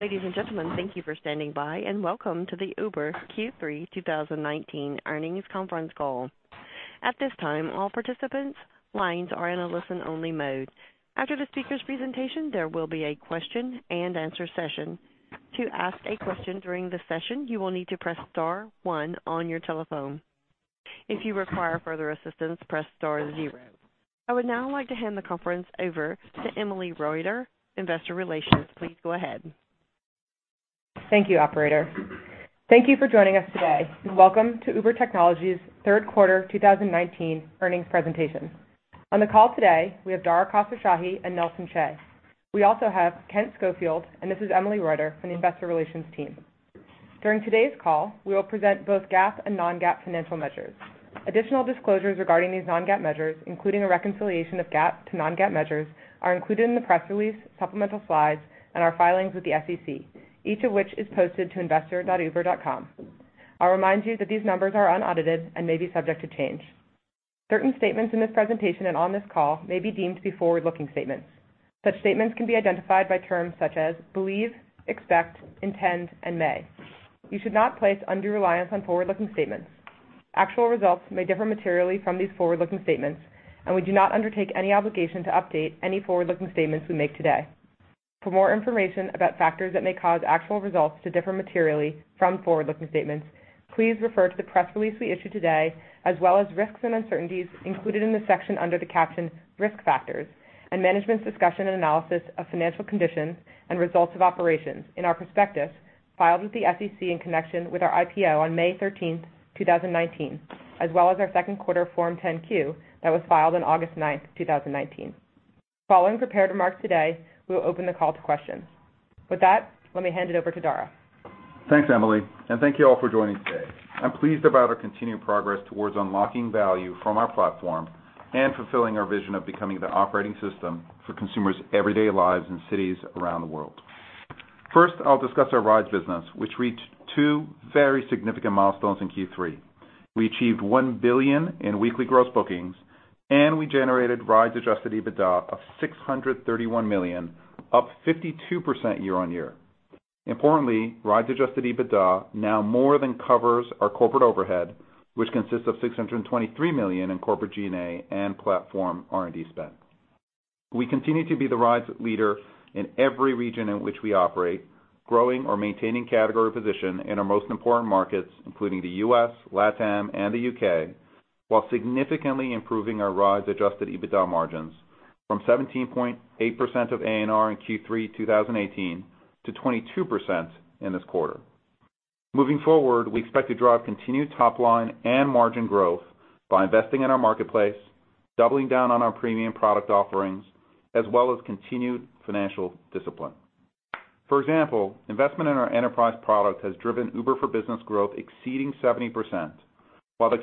Ladies and gentlemen, thank you for standing by, and welcome to the Uber Q3 2019 earnings conference call. At this time all participants lines are only listen mode. After the speaker's presentation there will be a question-and-answer session. To ask a question during the session you will have to press star one on your telephone. If you require further assistance press star then zero. Would now like to hand the conference over to Emily Reuter, Investor Relations. Please go ahead. Thank you, operator. Thank you for joining us today and welcome to Uber Technologies third quarter 2019 earnings presentation. On the call today we have Dara Khosrowshahi and Nelson Chai. We also have Kent Schofield, and this is Emily Reuter from the investor relations team. During today's call, we will present both GAAP and non-GAAP financial measures. Additional disclosures regarding these non-GAAP measures, including a reconciliation of GAAP to non-GAAP measures, are included in the press release, supplemental slides, and our filings with the SEC, each of which is posted to investor.uber.com. I'll remind you that these numbers are unaudited and may be subject to change. Certain statements in this presentation and on this call may be deemed to be forward-looking statements. Such statements can be identified by terms such as believe, expect, intend, and may. You should not place undue reliance on forward-looking statements. Actual results may differ materially from these forward-looking statements, and we do not undertake any obligation to update any forward-looking statements we make today. For more information about factors that may cause actual results to differ materially from forward-looking statements, please refer to the press release we issued today, as well as risks and uncertainties included in the section under the caption Risk Factors and Management's Discussion and Analysis of Financial Conditions and Results of Operations in our prospectus filed with the SEC in connection with our IPO on May 13th, 2019, as well as our second quarter Form 10-Q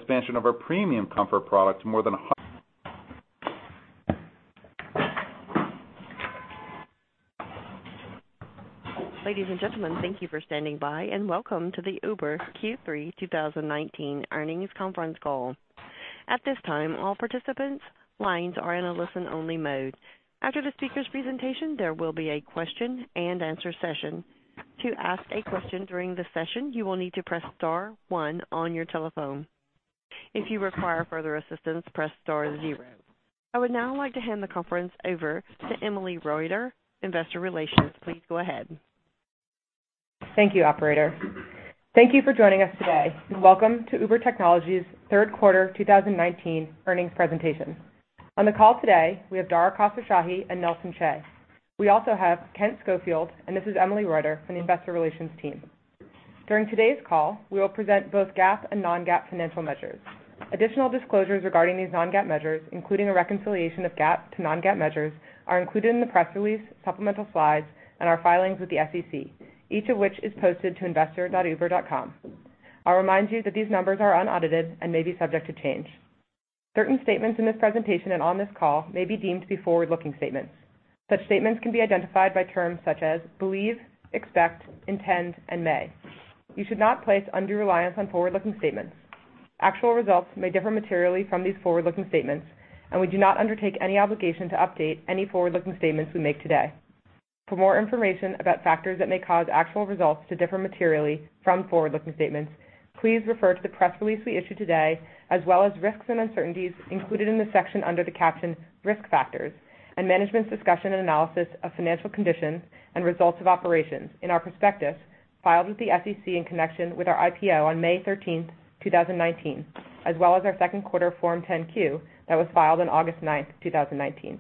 that was filed on August 9th, 2019.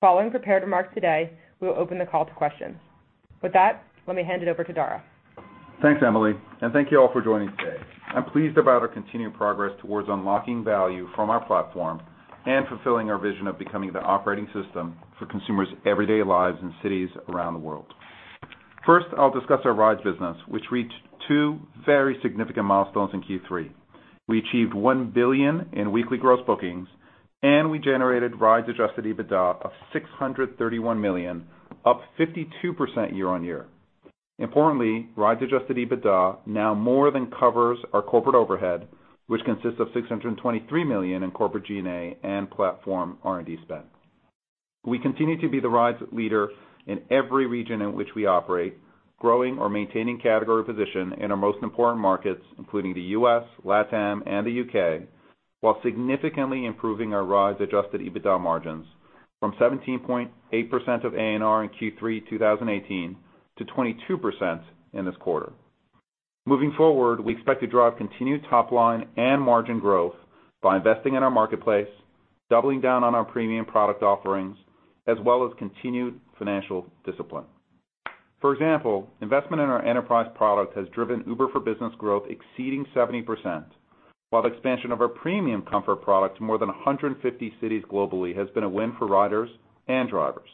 Following prepared remarks today, we will open the call to questions. With that, let me hand it over to Dara. Thanks, Emily, and thank you all for joining today. I'm pleased about our continued progress towards unlocking value from our platform and fulfilling our vision of becoming the operating system for consumers' everyday lives in cities around the world. First, I'll discuss our Rides business, which reached two very significant milestones in Q3. We achieved $1 billion in weekly gross bookings, and we generated Rides adjusted EBITDA of $631 million, up 52% year-on-year. Importantly, Rides adjusted EBITDA now more than covers our corporate overhead, which consists of $623 million in corporate G&A and platform R&D spend. We continue to be the Rides leader in every region in which we operate, growing or maintaining category position in our most important markets, including the U.S., LatAm, and the U.K., while significantly improving our Rides adjusted EBITDA margins from 17.8% of ANR in Q3 2018 to 22% in this quarter. Moving forward, we expect to drive continued top line and margin growth by investing in our marketplace, doubling down on our premium product offerings, as well as continued financial discipline. For example, investment in our enterprise product has driven Uber for Business growth exceeding 70%, while the expansion of our premium Comfort product to more than 150 cities globally has been a win for riders and drivers.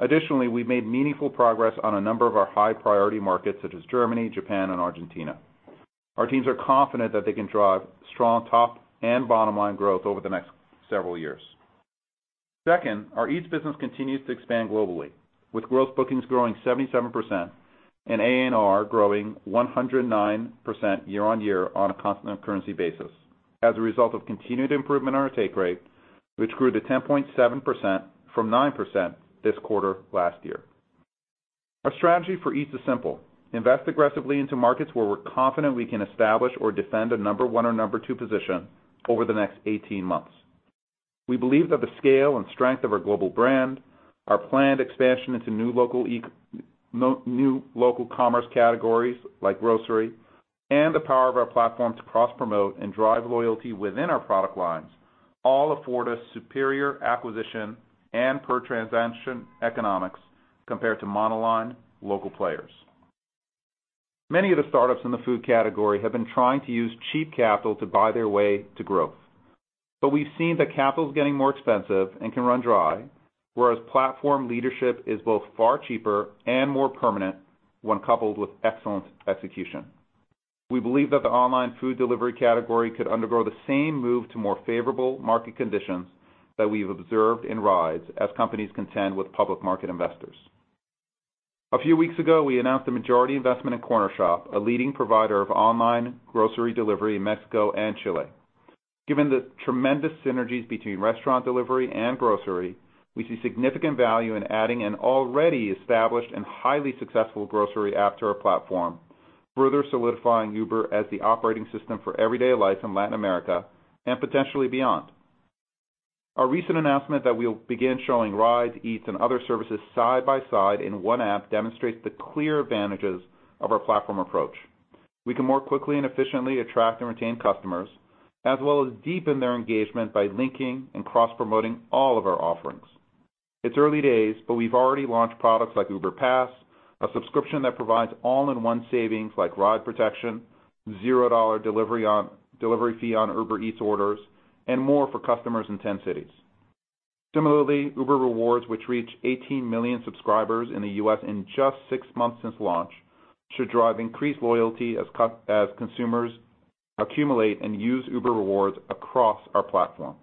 Additionally, we made meaningful progress on a number of our high-priority markets such as Germany, Japan, and Argentina. Our teams are confident that they can drive strong top and bottom line growth over the next several years. Second, our Eats business continues to expand globally, with gross bookings growing 77% and ANR growing 109% year-on-year on a constant currency basis as a result of continued improvement on our take rate, which grew to 10.7% from 9% this quarter last year. Our strategy for Eats is simple: invest aggressively into markets where we're confident we can establish or defend a number one or number two position over the next 18 months. We believe that the scale and strength of our global brand, our planned expansion into new local commerce categories like grocery, and the power of our platform to cross-promote and drive loyalty within our product lines all afford us superior acquisition and per transaction economics compared to monoline local players. Many of the startups in the food category have been trying to use cheap capital to buy their way to growth. We've seen that capital is getting more expensive and can run dry, whereas platform leadership is both far cheaper and more permanent when coupled with excellent execution. We believe that the online food delivery category could undergo the same move to more favorable market conditions that we've observed in Rides as companies contend with public market investors. A few weeks ago, we announced a majority investment in Cornershop, a leading provider of online grocery delivery in Mexico and Chile. Given the tremendous synergies between restaurant delivery and grocery, we see significant value in adding an already established and highly successful grocery app to our platform, further solidifying Uber as the operating system for everyday life in Latin America and potentially beyond. Our recent announcement that we will begin showing Rides, Eats, and other services side by side in one app demonstrates the clear advantages of our platform approach. We can more quickly and efficiently attract and retain customers, as well as deepen their engagement by linking and cross-promoting all of our offerings. It's early days, but we've already launched products like Uber Pass, a subscription that provides all-in-one savings like ride protection, zero dollar delivery fee on Uber Eats orders, and more for customers in 10 cities. Similarly, Uber Rewards, which reached 18 million subscribers in the U.S. in just six months since launch, should drive increased loyalty as consumers accumulate and use Uber Rewards across our platform.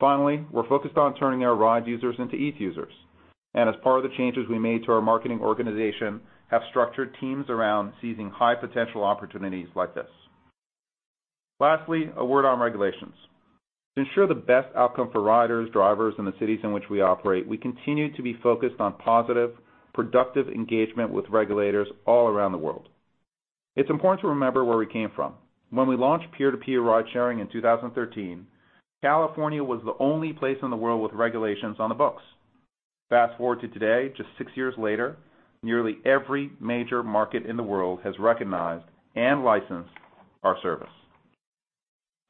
Finally, we're focused on turning our Rides users into Eats users, and as part of the changes we made to our marketing organization, have structured teams around seizing high-potential opportunities like this. Lastly, a word on regulations. To ensure the best outcome for riders, drivers, and the cities in which we operate, we continue to be focused on positive, productive engagement with regulators all around the world. It's important to remember where we came from. When we launched peer-to-peer ride-sharing in 2013, California was the only place in the world with regulations on the books. Fast-forward to today, just six years later, nearly every major market in the world has recognized and licensed our service.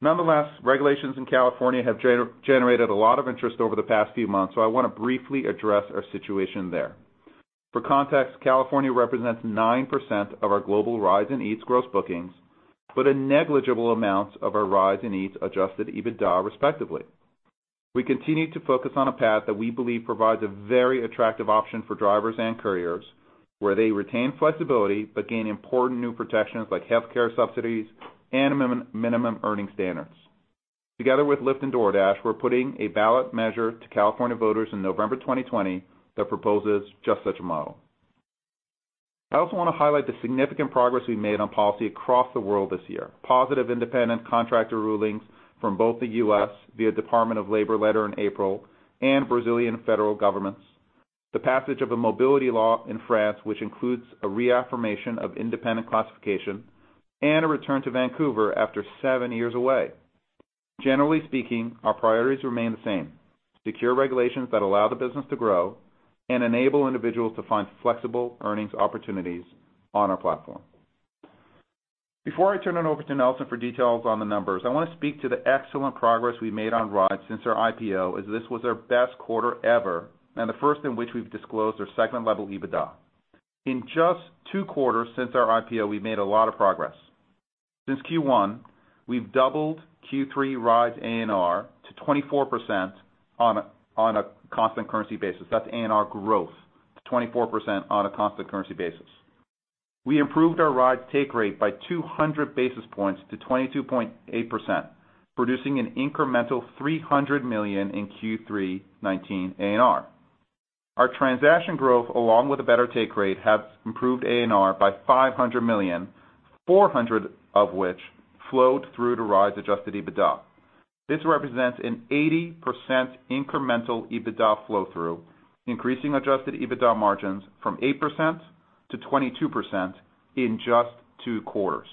Regulations in California have generated a lot of interest over the past few months, so I wanna briefly address our situation there. For context, California represents 9% of our global Rides and Eats gross bookings, but a negligible amount of our Rides and Eats adjusted EBITDA, respectively. We continue to focus on a path that we believe provides a very attractive option for drivers and couriers, where they retain flexibility but gain important new protections like healthcare subsidies and a minimum earning standards. Together with Lyft and DoorDash, we're putting a ballot measure to California voters in November 2020 that proposes just such a model. I also wanna highlight the significant progress we made on policy across the world this year. Positive independent contractor rulings from both the U.S., via Department of Labor letter in April, and Brazilian federal governments, the passage of a mobility law in France, which includes a reaffirmation of independent classification, and a return to Vancouver after seven years away. Generally speaking, our priorities remain the same: secure regulations that allow the business to grow and enable individuals to find flexible earnings opportunities on our platform. Before I turn it over to Nelson for details on the numbers, I want to speak to the excellent progress we made on Rides since our IPO, as this was our best quarter ever and the first in which we've disclosed our segment-level EBITDA. In just two quarters since our IPO, we've made a lot of progress. Since Q1, we've doubled Q3 Rides ANR to 24% on a constant currency basis. That's ANR growth to 24% on a constant currency basis. We improved our Rides take rate by 200 basis points to 22.8%, producing an incremental $300 million in Q3 2019 ANR. Our transaction growth, along with a better take rate, have improved ANR by $500 million, $400 million of which flowed through to Rides adjusted EBITDA. This represents an 80% incremental EBITDA flow through, increasing adjusted EBITDA margins from 8%-22% in just two quarters.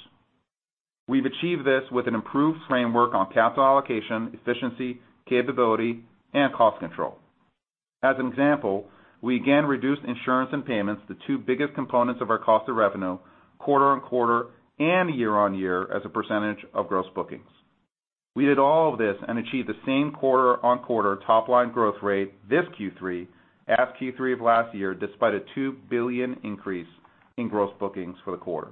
We've achieved this with an improved framework on capital allocation, efficiency, capability, and cost control. As an example, we again reduced insurance and payments, the two biggest components of our cost of revenue, quarter-over-quarter and year-over-year as a% of gross bookings. We did all of this and achieved the same quarter-over-quarter top-line growth rate this Q3 as Q3 of last year, despite a $2 billion increase in gross bookings for the quarter.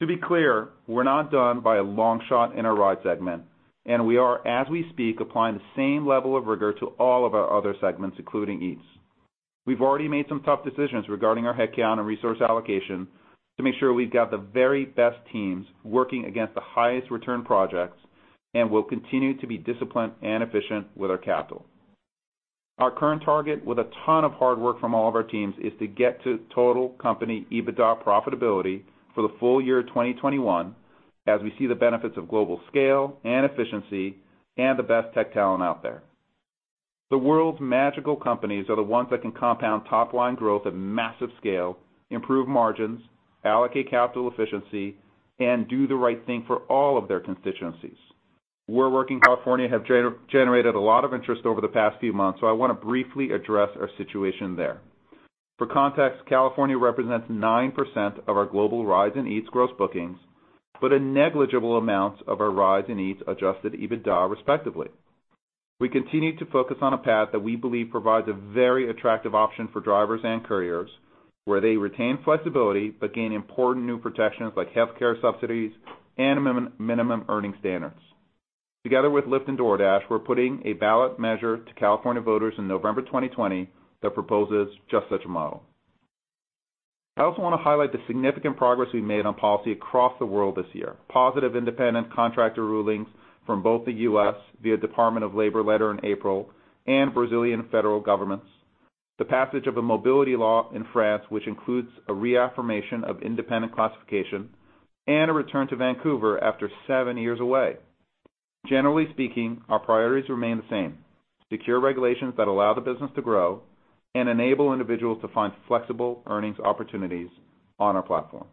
To be clear, we're not done by a long shot in our Rides segment, and we are, as we speak, applying the same level of rigor to all of our other segments, including Eats. We've already made some tough decisions regarding our headcount and resource allocation to make sure we've got the very best teams working against the highest return projects, and we'll continue to be disciplined and efficient with our capital. Our current target with a ton of hard work from all of our teams is to get to total company EBITDA profitability for the full year 2021 as we see the benefits of global scale and efficiency and the best tech talent out there. The world's magical companies are the ones that can compound top-line growth at massive scale, improve margins, allocate capital efficiency, and do the right thing for all of their constituencies. California has generated a lot of interest over the past few months. I want to briefly address our situation there. For context, California represents 9% of our global Rides and Eats gross bookings, but a negligible amount of our Rides and Eats adjusted EBITDA, respectively. We continue to focus on a path that we believe provides a very attractive option for drivers and couriers, where they retain flexibility but gain important new protections like healthcare subsidies and minimum earning standards. Together with Lyft and DoorDash, we're putting a ballot measure to California voters in November 2020 that proposes just such a model. I also wanna highlight the significant progress we made on policy across the world this year. Positive independent contractor rulings from both the U.S., via Department of Labor letter in April, and Brazilian federal governments, the passage of a mobility law in France, which includes a reaffirmation of independent classification, and a return to Vancouver after seven years away. Generally speaking, our priorities remain the same: secure regulations that allow the business to grow and enable individuals to find flexible earnings opportunities on our platform.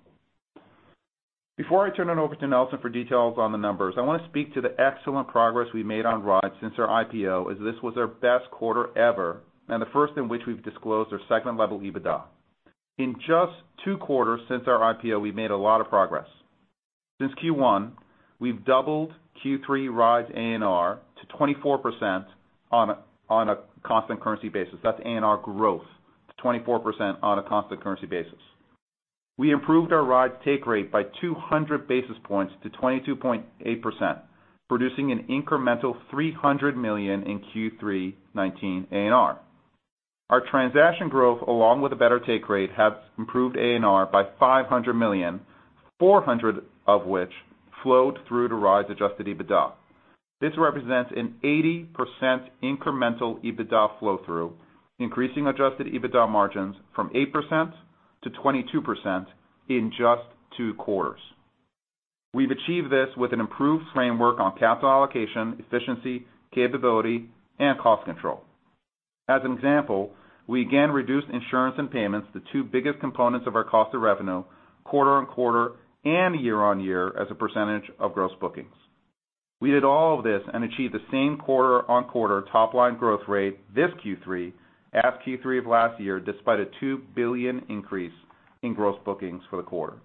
Before I turn it over to Nelson for details on the numbers, I wanna speak to the excellent progress we made on Rides since our IPO, as this was our best quarter ever and the first in which we've disclosed our segment-level EBITDA. In just two quarters since our IPO, we've made a lot of progress. Since Q1, we've doubled Q3 Rides ANR to 24% on a constant currency basis. That's ANR growth to 24% on a constant currency basis. We improved our Rides take rate by 200 basis points to 22.8%, producing an incremental $300 million in Q3 2019 ANR. Our transaction growth, along with a better take rate, has improved ANR by $500 million, $400 million of which flowed through to Rides adjusted EBITDA. This represents an 80% incremental EBITDA flow through, increasing adjusted EBITDA margins from 8%-22% in just two quarters. We've achieved this with an improved framework on capital allocation, efficiency, capability, and cost control. As an example, we again reduced insurance and payments, the two biggest components of our cost of revenue, quarter-on-quarter and year-on-year as a % of gross bookings. We did all of this and achieved the same quarter-on-quarter top-line growth rate this Q3 as Q3 of last year, despite a $2 billion increase in gross bookings for the quarter.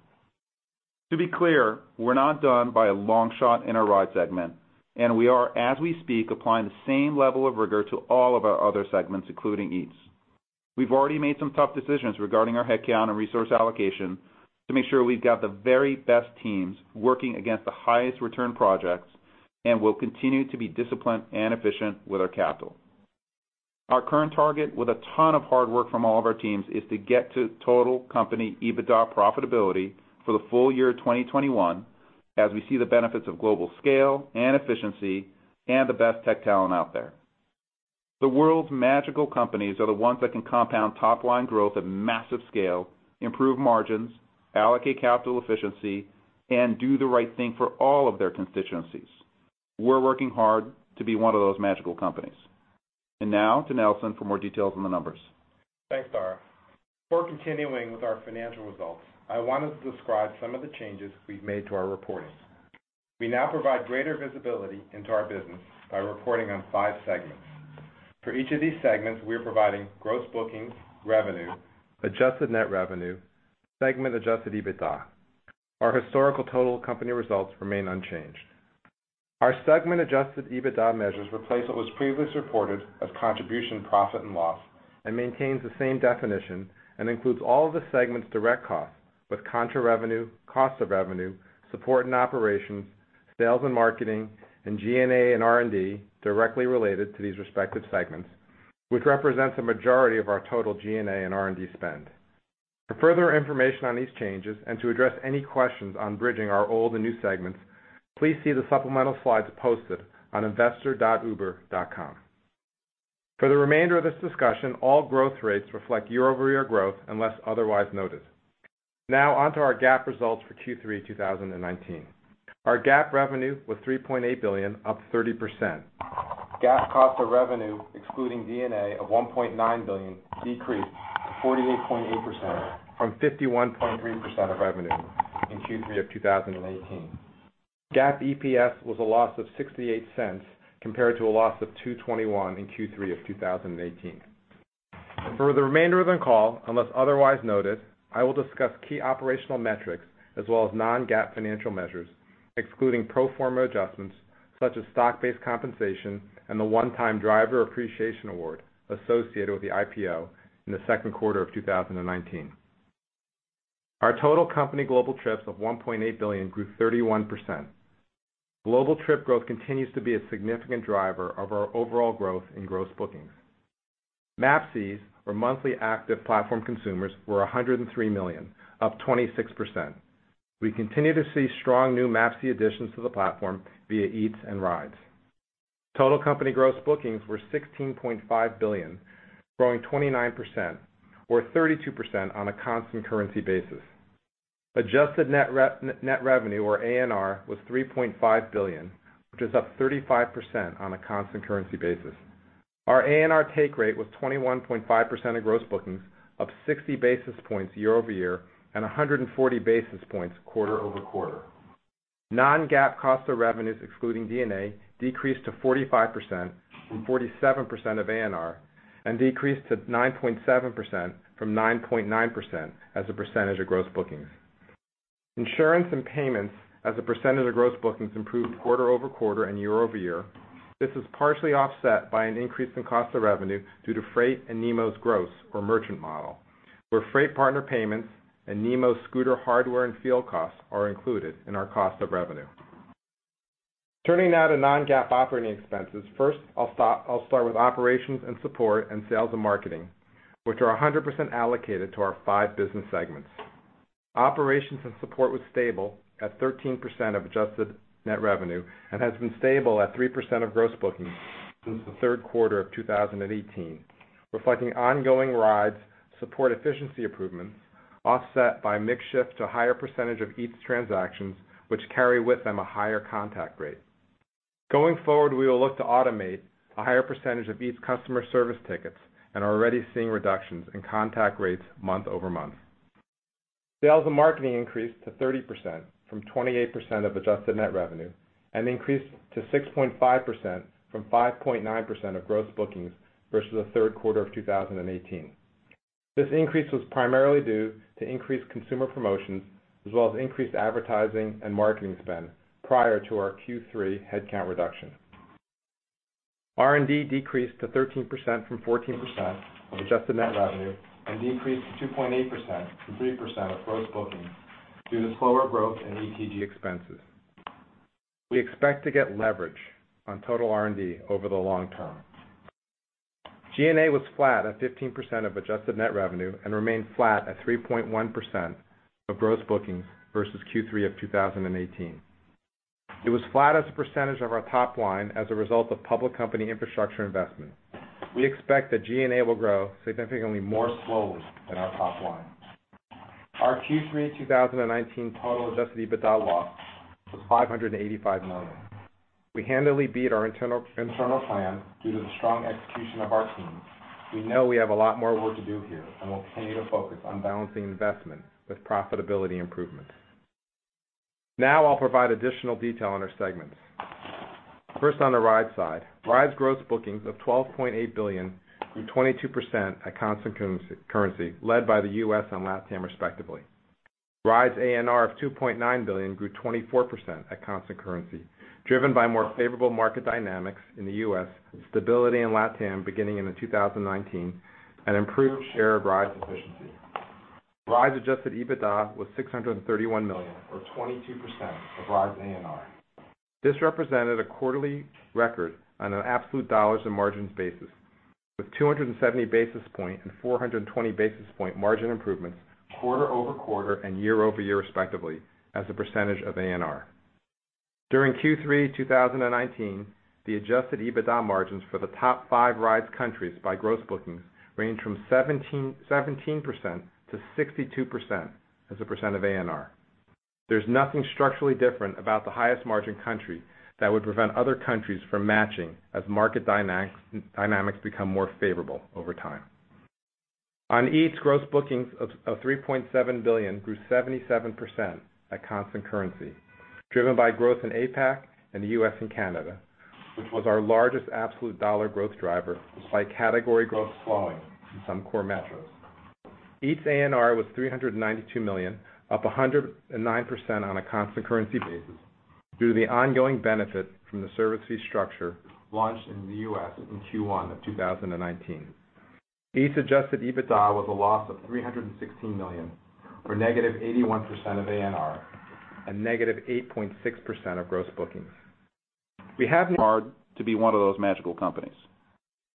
To be clear, we're not done by a long shot in our Rides segment, and we are, as we speak, applying the same level of rigor to all of our other segments, including Eats. We've already made some tough decisions regarding our headcount and resource allocation to make sure we've got the very best teams working against the highest return projects, and we'll continue to be disciplined and efficient with our capital. Our current target with a ton of hard work from all of our teams is to get to total company EBITDA profitability for the full year 2021 as we see the benefits of global scale and efficiency and the best tech talent out there. The world's magical companies are the ones that can compound top-line growth at massive scale, improve margins, allocate capital efficiency, and do the right thing for all of their constituencies. We're working hard to be one of those magical companies.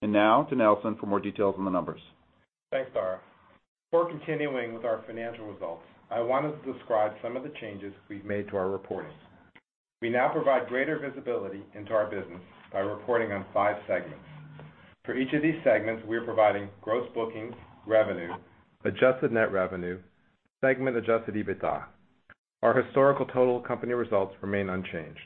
Now to Nelson for more details on the numbers. Thanks, Dara. Before continuing with our financial results, I want to describe some of the changes we've made to our reporting. We now provide greater visibility into our business by reporting on five segments. For each of these segments, we are providing gross bookings, revenue, adjusted net revenue, segment adjusted EBITDA. Our historical total company results remain unchanged.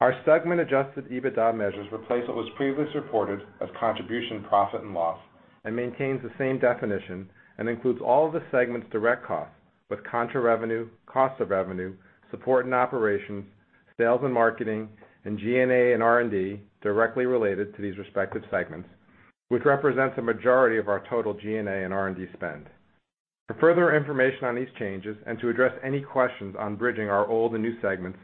Our segment adjusted EBITDA measures replace what was previously reported as contribution profit and loss and maintains the same definition and includes all of the segment's direct costs, with contra revenue, cost of revenue, support and operations, sales and marketing, and G&A and R&D directly related to these respective segments, which represents a majority of our total G&A and R&D spend. For further information on these changes and to address any questions on bridging our old and new segments,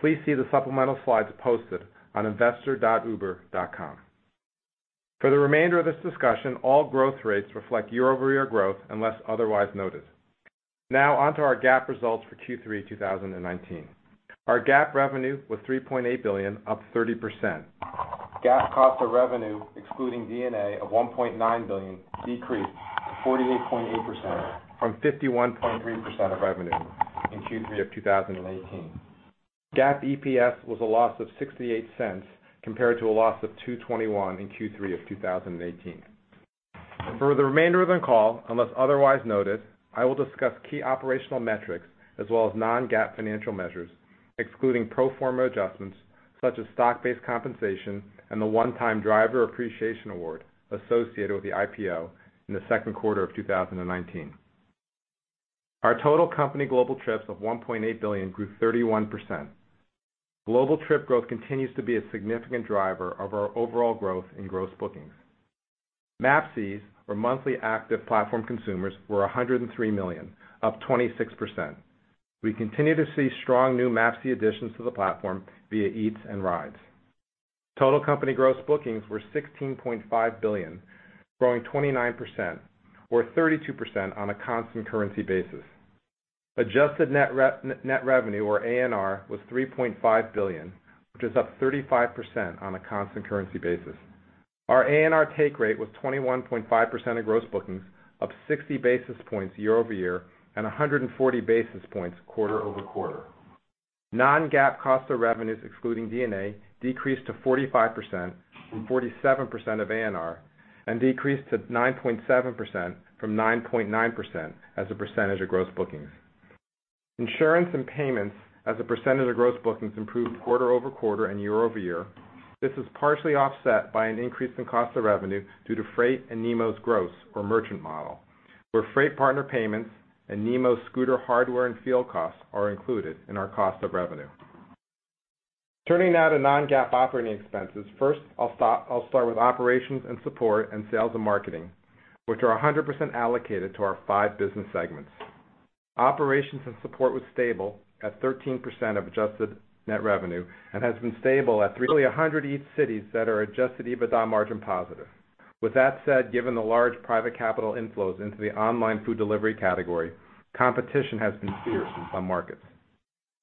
please see the supplemental slides posted on investor.uber.com. For the remainder of this discussion, all growth rates reflect year-over-year growth unless otherwise noted. Now onto our GAAP results for Q3 2019. Our GAAP revenue was $3.8 billion, up 30%. GAAP cost of revenue, excluding D&A of $1.9 billion decreased to 48.8% from 51.3% of revenue in Q3 2018. GAAP EPS was a loss of $0.68 compared to a loss of $2.21 in Q3 2018. For the remainder of the call, unless otherwise noted, I will discuss key operational metrics as well as non-GAAP financial measures, excluding pro forma adjustments such as stock-based compensation and the one-time driver appreciation award associated with the IPO in the second 2019. Our total company global trips of $1.8 billion grew 31%. Global trip growth continues to be a significant driver of our overall growth in gross bookings. MAPCs or Monthly Active Platform Consumers were 103 million, up 26%. We continue to see strong new MAPC additions to the platform via Eats and Rides. Total company gross bookings were $16.5 billion, growing 29% or 32% on a constant currency basis. Adjusted net revenue or ANR was $3.5 billion, which is up 35% on a constant currency basis. Our ANR take rate was 21.5% of gross bookings, up 60 basis points year-over-year and 140 basis points quarter-over-quarter. Non-GAAP cost of revenues excluding D&A decreased to 45% from 47% of ANR and decreased to 9.7% from 9.9% as % of gross bookings. Insurance and payments as a% of gross bookings improved quarter-over-quarter and year-over-year. This is partially offset by an increase in cost of revenue due to Freight and JUMP's gross or merchant model, where Freight partner payments and JUMP scooter hardware and field costs are included in our cost of revenue.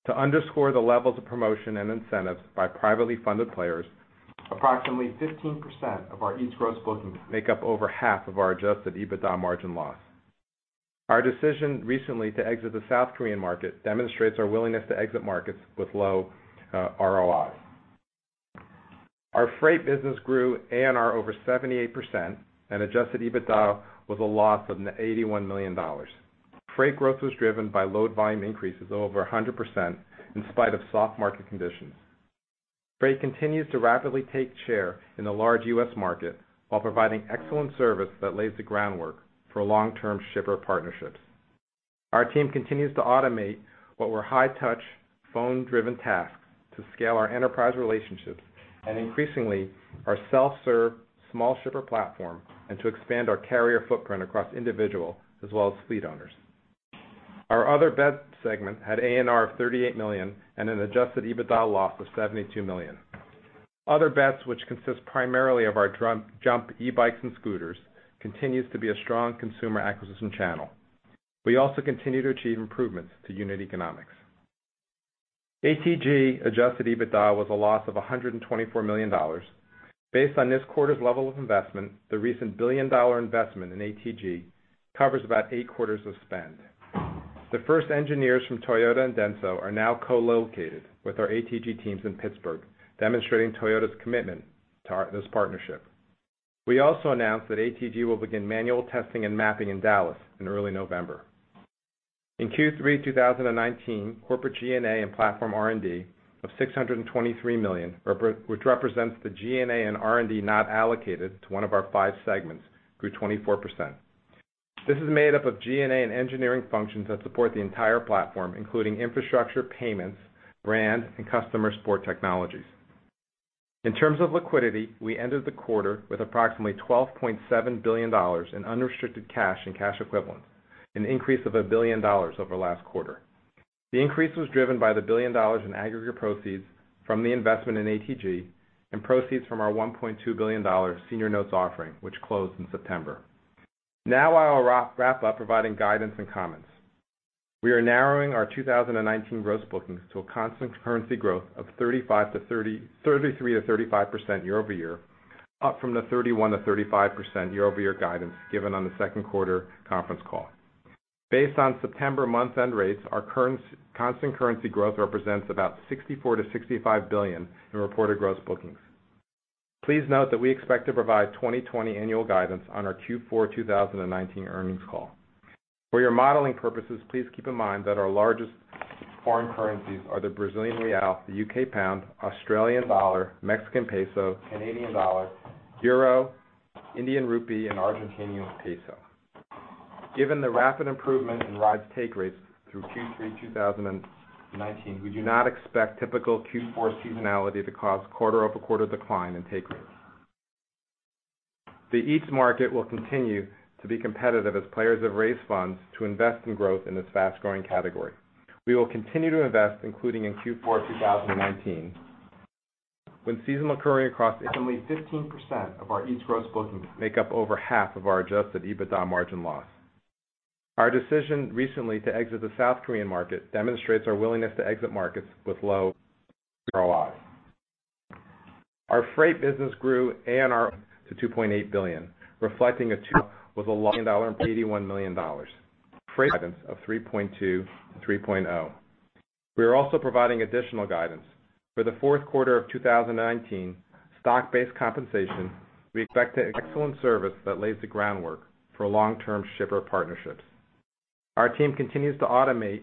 To underscore the levels of promotion and incentives by privately funded players, approximately 15% of our Eats gross bookings make up over half of our adjusted EBITDA margin loss. Our decision recently to exit the South Korean market demonstrates our willingness to exit markets with low ROIs. Our Freight business grew ANR over 78% and adjusted EBITDA was a loss of $81 million. Freight growth was driven by load volume increases over 100% in spite of soft market conditions. Freight continues to rapidly take share in the large U.S. market while providing excellent service that lays the groundwork for long-term shipper partnerships. Our team continues to automate what were high-touch, phone-driven tasks to scale our enterprise relationships and increasingly our self-serve small shipper platform and to expand our carrier footprint across individual as well as fleet owners. Our Other Bets segment had ANR of $38 million and an adjusted EBITDA loss of $72 million. Other Bets, which consist primarily of our JUMP e-bikes and scooters, continues to be a strong consumer acquisition channel. We also continue to achieve improvements to unit economics. ATG adjusted EBITDA was a loss of $124 million. Based on this quarter's level of investment, the recent billion-dollar investment in ATG covers about eight quarters of spend. The first engineers from Toyota and Denso are now co-located with our ATG teams in Pittsburgh, demonstrating Toyota's commitment to this partnership. We also announced that ATG will begin manual testing and mapping in Dallas in early November. In Q3 2019, corporate G&A and platform R&D of $623 million, which represents the G&A and R&D not allocated to one of our five segments, grew 24%. This is made up of G&A and engineering functions that support the entire platform, including infrastructure, payments, brand, and customer support technologies. In terms of liquidity, we ended the quarter with approximately $12.7 billion in unrestricted cash and cash equivalents, an increase of $1 billion over last quarter. The increase was driven by the $1 billion in aggregate proceeds from the investment in ATG and proceeds from our $1.2 billion senior notes offering, which closed in September. I'll wrap up providing guidance and comments. We are narrowing our 2019 gross bookings to a constant currency growth of 33%-35% year-over-year, up from the 31%-35% year-over-year guidance given on the second quarter conference call. Based on September month-end rates, our current constant currency growth represents about $64 billion-$65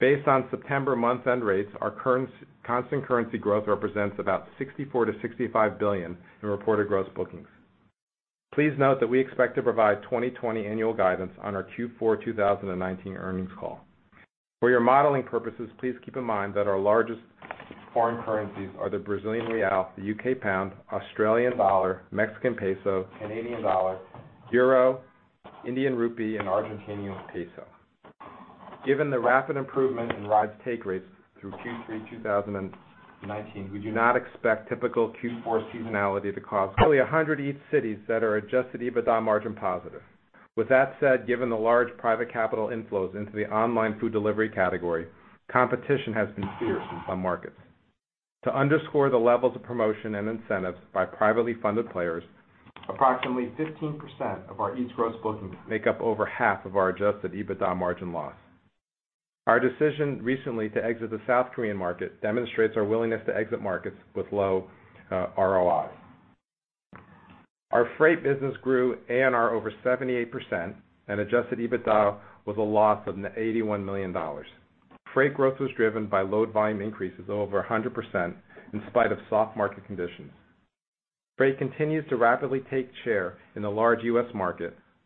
billion in reported gross bookings. Please note that we expect to provide 2020 annual guidance on our Q4 2019 earnings call. For your modeling purposes, please keep in mind that our largest foreign currencies are the Brazilian real, the U.K. pound, Australian dollar, Mexican peso, Canadian dollar, euro, Indian rupee, and Argentinian peso. Given the rapid improvement in Rides take rates through Q3 2019, we do not expect typical Q4 seasonality to cause quarter-over-quarter decline in take rates. The Eats market will continue to be competitive as players have raised funds to invest in growth in this fast-growing category. We will continue to invest, including in Q4 2019. Approximately 15% of our Eats gross bookings make up over half of our adjusted EBITDA margin loss. Our decision recently to exit the South Korean market demonstrates our willingness to exit markets with low ROIs. Our Freight business grew ANR to $2.8 billion, reflecting a $281 million. Freight guidance of $3.2 billion-$3.0 billion. We are also providing additional guidance. For the fourth quarter of 2019, stock-based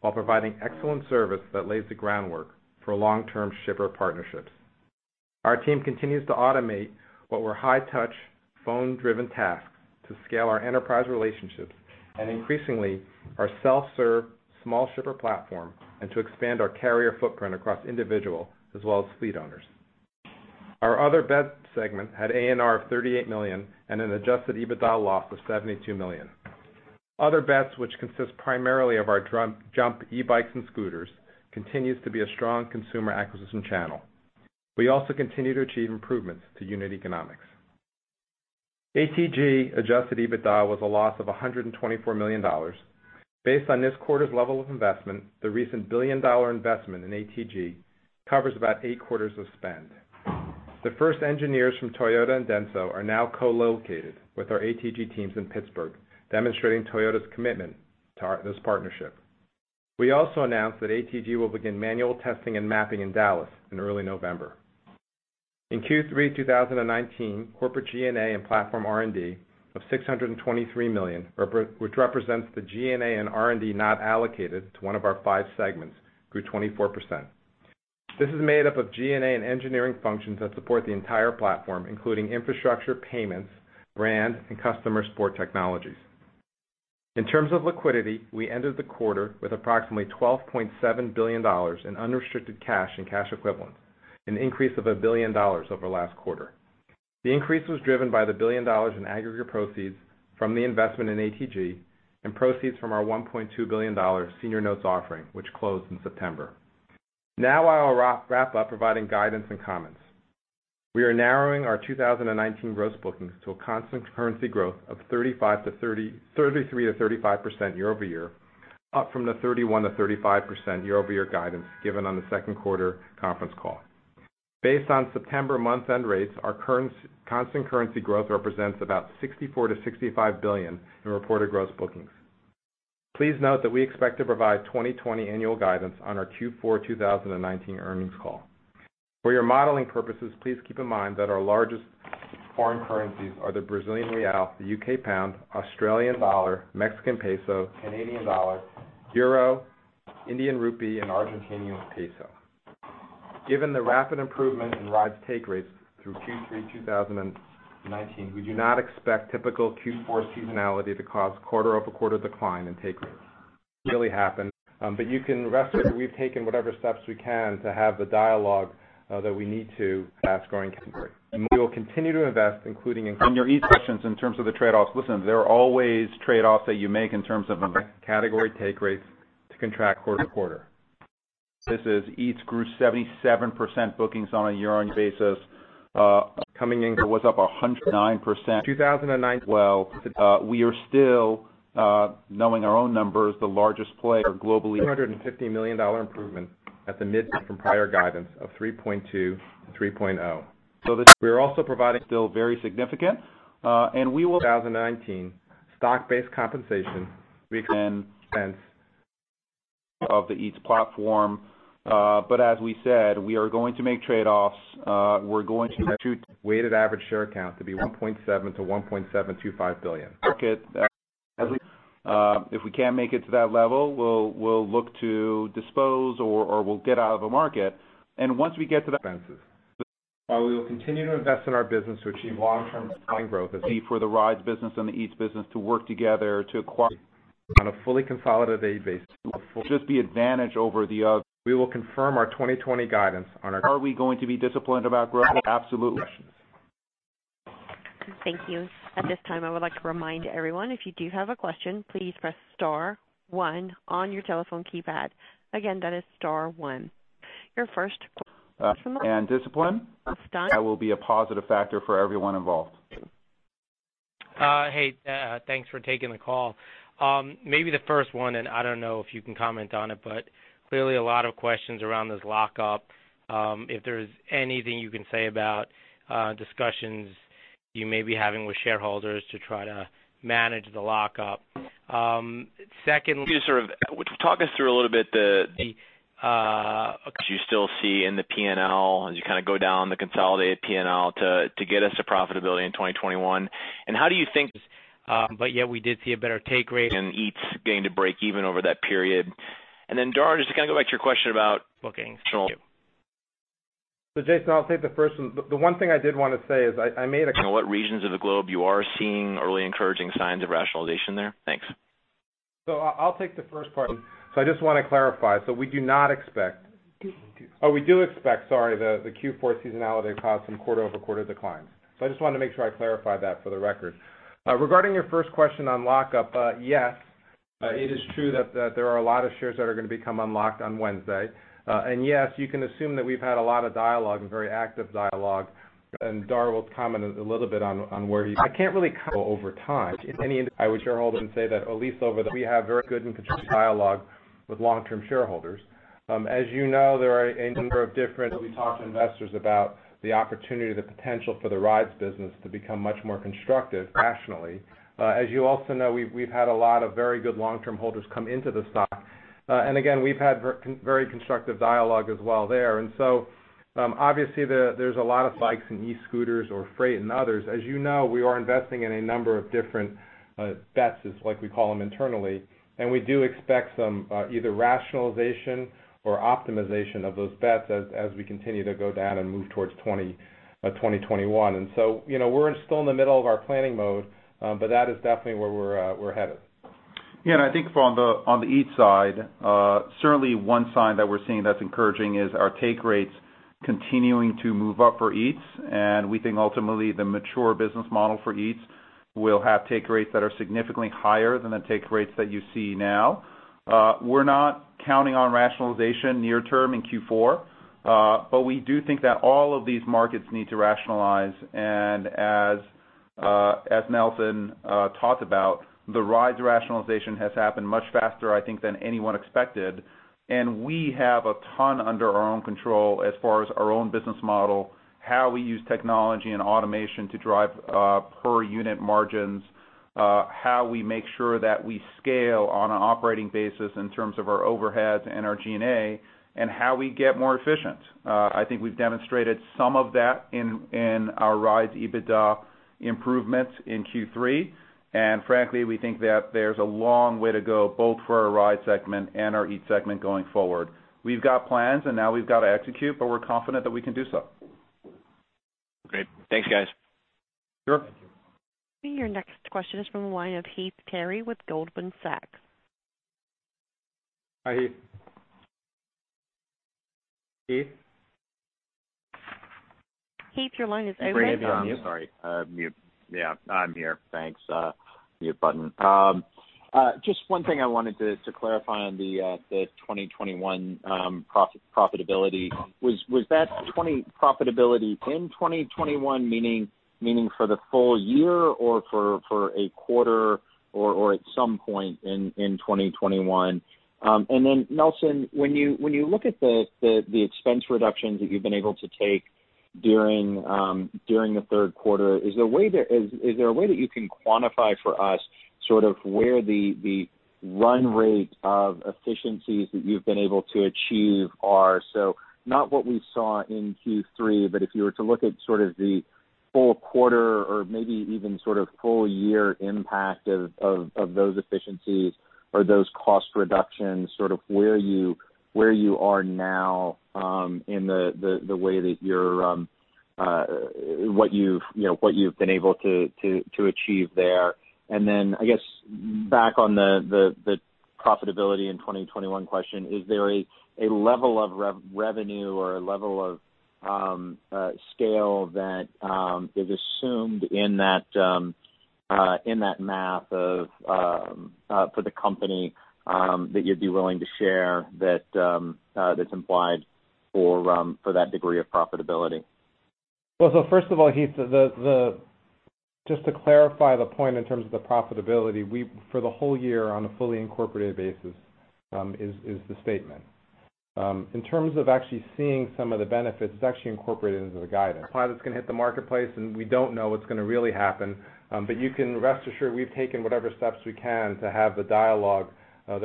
compensation. Excellent service that lays the groundwork for long-term shipper partnerships. Our team continues to automate what were. Basic and diluted weighted average share count to be 1.7 to 1.7. Increasing in our self-serve small shipper platform and to expand our carrier footprint across individual as well as fleet owners. Across all of our operating expenses. While we will continue to invest in our business to achieve long-term top line growth. Other Bets, which consist primarily of our JUMP e-bikes, and scooters, continues to be a strong consumer acquisition channel. We also continue to achieve improvements. From our 2020 guidance on our Q4 call. With that, let's open it up for questions. Thank you. At this time, I would like to remind everyone, if you do have a question, please press star. While we will continue to invest in our business to achieve long-term volume growth. We will confirm our 2020 guidance. Are we going to be disciplined about growth? Absolutely. Thank you. At this time, I would like to remind everyone, if you do have a question, please press star one on your telephone keypad. Again, that is star one. Discipline. Scott. That will be a positive factor for everyone involved. Hey, thanks for taking the call. Maybe the first one, and I don't know if you can comment on it, but clearly a lot of questions around this lockup. If there's anything you can say about discussions you may be having with shareholders to try to manage the lockup. Secondly. Would you talk us through a little bit? The, uh, okay- You still see in the P&L as you kinda go down the consolidated P&L to get us to profitability in 2021. Yet we did see a better take rate. Eats getting to break even over that period. Dara, just to kinda go back to your question about. Bookings. Thank you. Justin, I'll take the first one. The one thing I did want to say is I made a-. Kinda what regions of the globe you are seeing early encouraging signs of rationalization there? Thanks. I'll take the first part. I just want to clarify. We do not expect, we do expect, sorry, the Q4 seasonality to cause some quarter-over-quarter declines. I just wanted to make sure I clarify that for the record. Regarding your first question on lockup, yes, it is true that there are a lot of shares that are going to become unlocked on Wednesday. And yes, you can assume that we've had a lot of dialogue and very active dialogue. We have very good and constructive dialogue with long-term shareholders. As you know, there are a number of different. We talk to investors about the opportunity, the potential for the Rides business to become much more constructive rationally. As you also know, we've had a lot of very good long-term holders come into the stock. We've had very constructive dialogue as well there. Obviously there's a lot of bikes and e-scooters or Freight and others. As you know, we are investing in a number of different bets, is what we call them internally. We do expect some either rationalization or optimization of those bets as we continue to go down and move towards 2021. You know, we're still in the middle of our planning mode, but that is definitely where we're headed. I think from the, on the Eats side, certainly one sign that we're seeing that's encouraging is our take rates continuing to move up for Eats. We think ultimately the mature business model for Eats will have take rates that are significantly higher than the take rates that you see now. We're not counting on rationalization near term in Q4, but we do think that all of these markets need to rationalize. As Nelson talked about, the Rides rationalization has happened much faster, I think, than anyone expected. We have a ton under our own control as far as our own business model, how we use technology and automation to drive per unit margins, how we make sure that we scale on an operating basis in terms of our overheads and our G&A, and how we get more efficient. I think we've demonstrated some of that in our Rides EBITDA improvements in Q3. Frankly, we think that there's a long way to go, both for our ride segment and our Eats segment going forward. We've got plans, and now we've got to execute, but we're confident that we can do so. Great. Thanks, guys. Sure. Your next question is from the line of Heath Terry with Goldman Sachs. Hi, Heath. Heath? Heath, your line is open. Heath, are you on mute? I'm sorry. Mute. Yeah, I'm here. Thanks. Mute button. Just one thing I wanted to clarify on the 2021 profitability. Was that profitability in 2021, meaning for the full year or for a quarter or at some point in 2021? Nelson, when you look at the expense reductions that you've been able to take during the third quarter, is there a way that you can quantify for us sort of where the run rate of efficiencies that you've been able to achieve are? Not what we saw in Q3, but if you were to look at sort of the full quarter or maybe even sort of full year impact of those efficiencies or those cost reductions, where you are now, in the way that you're, what you've, you know, what you've been able to achieve there. I guess back on the profitability in 2021 question, is there a level of revenue or a level of scale that is assumed in that math of for the company that you'd be willing to share that's implied for that degree of profitability? First of all, Heath, just to clarify the point in terms of the profitability, we, for the whole year on a fully incorporated basis, is the statement. In terms of actually seeing some of the benefits, it's actually incorporated into the guidance. Plans can hit the marketplace, and we don't know what's gonna really happen. You can rest assured we've taken whatever steps we can to have the dialogue, that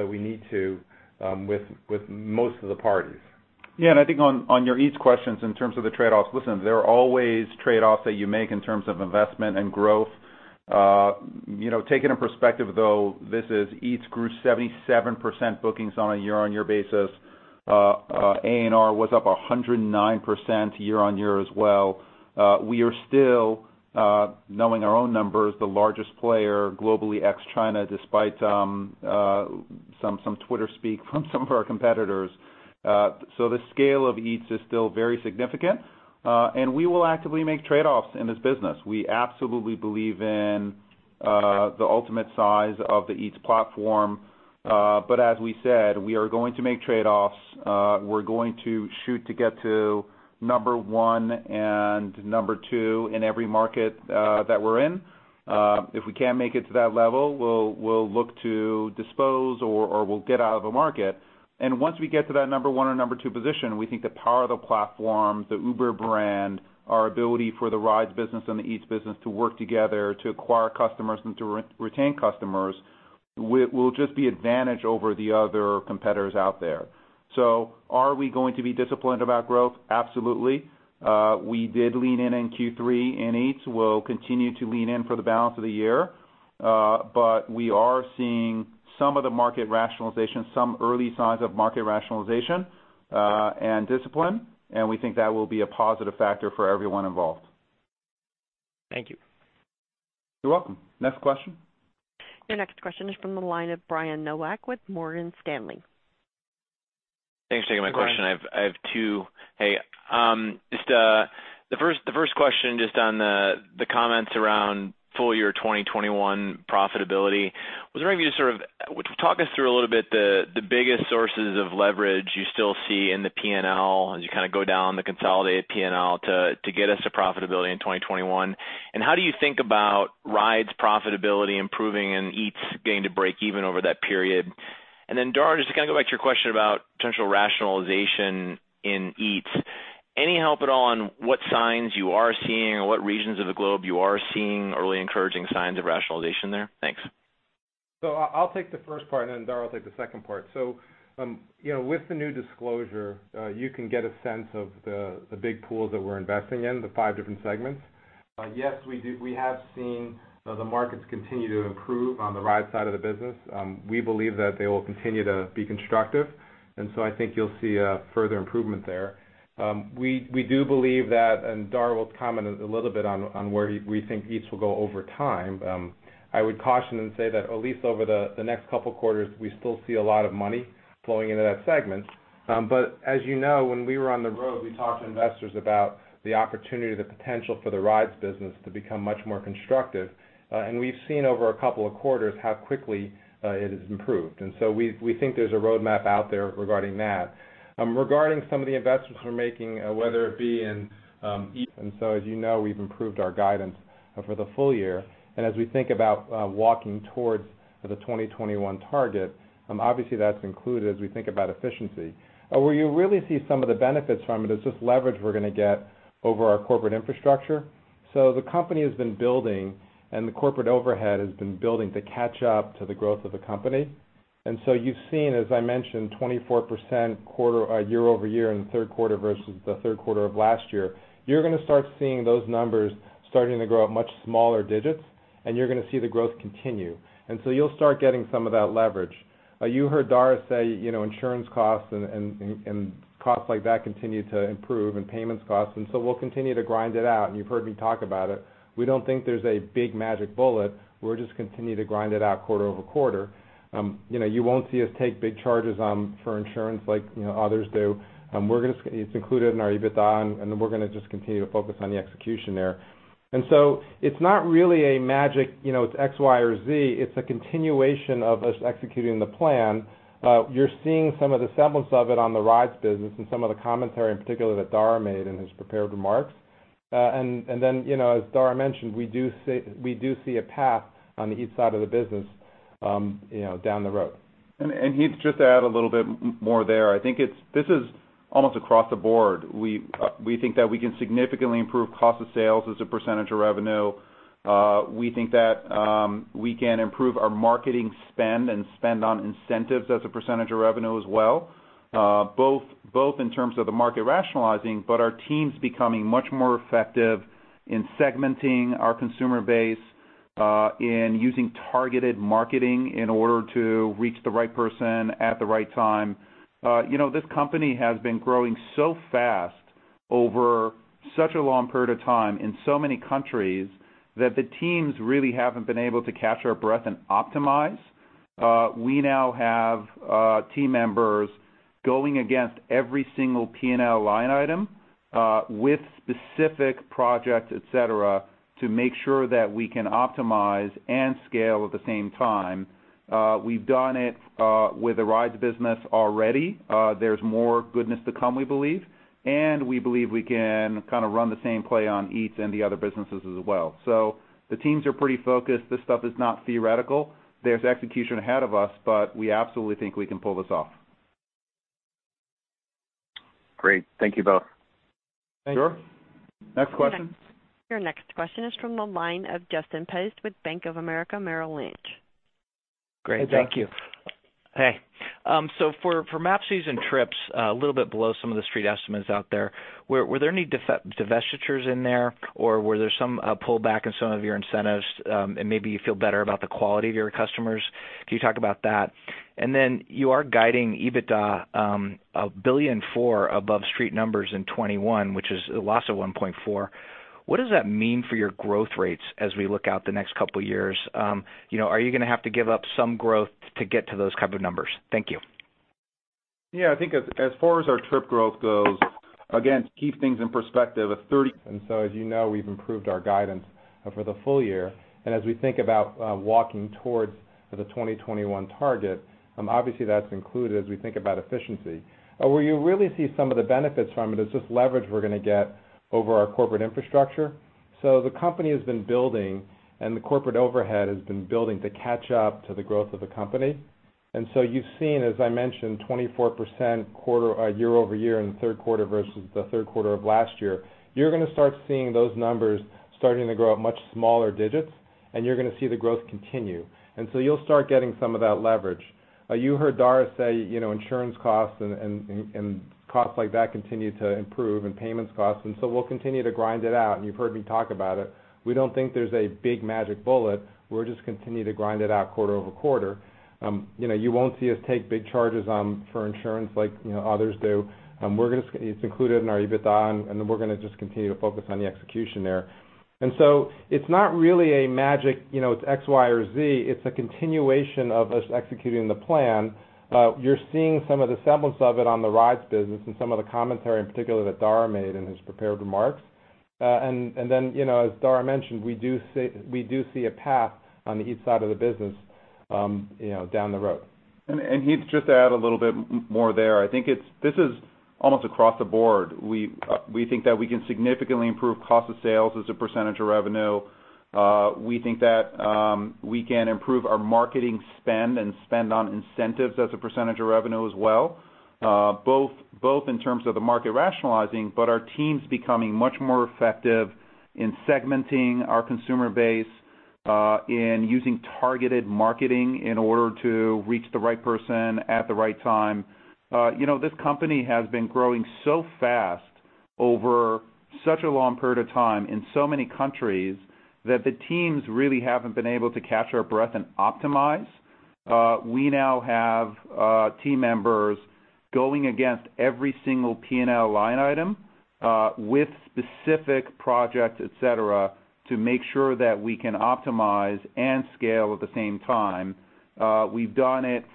we need to, with most of the parties. I think on your Eats questions in terms of the trade-offs, listen, there are always trade-offs that you make in terms of investment and growth. You know, taking a perspective though, this is Eats grew 77% bookings on a year-on-year basis. ANR was up 109% year-on-year as well. We are still, knowing our own numbers, the largest player globally ex-China, despite some Twitter speak from some of our competitors. The scale of Eats is still very significant, and we will actively make trade-offs in this business. We absolutely believe in the ultimate size of the Eats platform. As we said, we are going to make trade-offs. We're going to shoot to get to number one and number two in every market that we're in. If we can't make it to that level, we'll look to dispose or we'll get out of a market. Once we get to that number one or number two position, we think the power of the platform, the Uber brand, our ability for the Rides business and the Eats business to work together to acquire customers and to re-retain customers, will just be advantage over the other competitors out there. Are we going to be disciplined about growth? Absolutely. We did lean in in Q3 in Eats. We'll continue to lean in for the balance of the year. We are seeing some of the market rationalization, some early signs of market rationalization, and discipline, and we think that will be a positive factor for everyone involved. Thank you. You're welcome. Next question. Your next question is from the line of Brian Nowak with Morgan Stanley. Thanks for taking my question. I have two. Hey, just the first question on the comments around full year 2021 profitability. Was there any way would you talk us through a little bit the biggest sources of leverage you still see in the P&L as you kind of go down the consolidated P&L to get us to profitability in 2021? How do you think about Rides profitability improving and Eats getting to break even over that period? Dara, just to kind of go back to your question about potential rationalization in Eats. Any help at all on what signs you are seeing or what regions of the globe you are seeing early encouraging signs of rationalization there? Thanks. I'll take the first part, and then Dara will take the second part. You know, with the new disclosure, you can get a sense of the big pools that we're investing in, the five different segments. Yes, we have seen the markets continue to improve on the ride side of the business. We believe that they will continue to be constructive, I think you'll see a further improvement there. We do believe that, and Dara will comment a little bit on where we think Eats will go over time. I would caution and say that at least over the next couple quarters, we still see a lot of money flowing into that segment. As you know, when we were on the road, we talked to investors about the opportunity, the potential for the Rides business to become much more constructive. We've seen over a couple of quarters how quickly it has improved. We think there's a roadmap out there regarding that. Regarding some of the investments we're making, whether it be in Eats. As you know, we've improved our guidance for the full year. As we think about walking towards the 2021 target, obviously that's included as we think about efficiency. Where you really see some of the benefits from it is just leverage we're gonna get over our corporate infrastructure. The company has been building, and the corporate overhead has been building to catch up to the growth of the company. You've seen, as I mentioned, 24% quarter, year-over-year in the third quarter versus the third quarter of last year. You're gonna start seeing those numbers starting to grow at much smaller digits, and you're gonna see the growth continue. You'll start getting some of that leverage. You heard Dara say, you know, insurance costs and costs like that continue to improve, and payments costs, and so we'll continue to grind it out, and you've heard me talk about it. We don't think there's a big magic bullet. We'll just continue to grind it out quarter-over-quarter. You know, you won't see us take big charges for insurance like, you know, others do. It's included in our EBITDA, and we're gonna just continue to focus on the execution there. It's not really a magic, you know, it's X, Y, or Z, it's a continuation of us executing the plan. You're seeing some of the semblance of it on the Rides business and some of the commentary in particular that Dara made in his prepared remarks. You know, as Dara mentioned, we do see a path on the Eats side of the business, you know, down the road. Just to add a little bit more there. I think this is almost across the board. We think that we can significantly improve cost of sales as a % of revenue. We think that we can improve our marketing spend and spend on incentives as a % of revenue as well, both in terms of the market rationalizing, but our teams becoming much more effective in segmenting our consumer base, in using targeted marketing in order to reach the right person at the right time. You know, this company has been growing so fast over such a long period of time in so many countries that the teams really haven't been able to catch our breath and optimize. We now have team members going against every single P&L line item, with specific projects, et cetera, to make sure that we can optimize and scale at the same time. We've done it with the Rides business already. There's more goodness to come, we believe, and we believe we can kinda run the same play on Eats and the other businesses as well. The teams are pretty focused. This stuff is not theoretical. There's execution ahead of us, but we absolutely think we can pull this off. Great. Thank you both. Thank you. Sure. Next question. Your next question is from the line of Justin Post with Bank of America Merrill Lynch. Great. Thank you. Hey, Jeff. Hey. For MAPCs, some trips, a little bit below some of the Street estimates out there, were there any divestitures in there, or were there some pullback in some of your incentives, and maybe you feel better about the quality of your customers? Can you talk about that? You are guiding EBITDA, $1.4 billion above Street numbers in 2021, which is a loss of $1.4 billion. What does that mean for your growth rates as we look out the next couple years? You know, are you gonna have to give up some growth to get to those type of numbers? Thank you. Yeah, I think as far as our trip growth goes, again, to keep things in perspective. As you know, we've improved our guidance for the full year. As we think about walking towards the 2021 target, obviously that's included as we think about efficiency. Where you really see some of the benefits from it is just leverage we're gonna get over our corporate infrastructure. The company has been building, and the corporate overhead has been building to catch up to the growth of the company. You've seen, as I mentioned, 24% quarter year-over-year in the third quarter versus the third quarter of last year. You're gonna start seeing those numbers starting to grow at much smaller digits, and you're gonna see the growth continue. You'll start getting some of that leverage. You heard Dara say, you know, insurance costs and costs like that continue to improve, and payments costs, we'll continue to grind it out, and you've heard me talk about it. We don't think there's a big magic bullet. We'll just continue to grind it out quarter over quarter. You know, you won't see us take big charges for insurance like, you know, others do. It's included in our EBITDA, and we're gonna just continue to focus on the execution there. It's not really a magic, you know, it's X, Y, or Z, it's a continuation of us executing the plan. You're seeing some of the semblance of it on the Rides business and some of the commentary in particular that Dara made in his prepared remarks. You know, as Dara mentioned, we do see a path on the Eats side of the business, you know, down the road. Just to add a little bit more there. I think this is almost across the board. We think that we can significantly improve cost of sales as a% of revenue. We think that we can improve our marketing spend and spend on incentives as a% of revenue as well, both in terms of the market rationalizing, but our teams becoming much more effective in segmenting our consumer base, in using targeted marketing in order to reach the right person at the right time. You know, this company has been growing so fast over such a long period of time in so many countries that the teams really haven't been able to catch our breath and optimize. We now have team members going against every single P&L line item with specific projects, et cetera, to make sure that we can optimize and scale at the same time. We've done it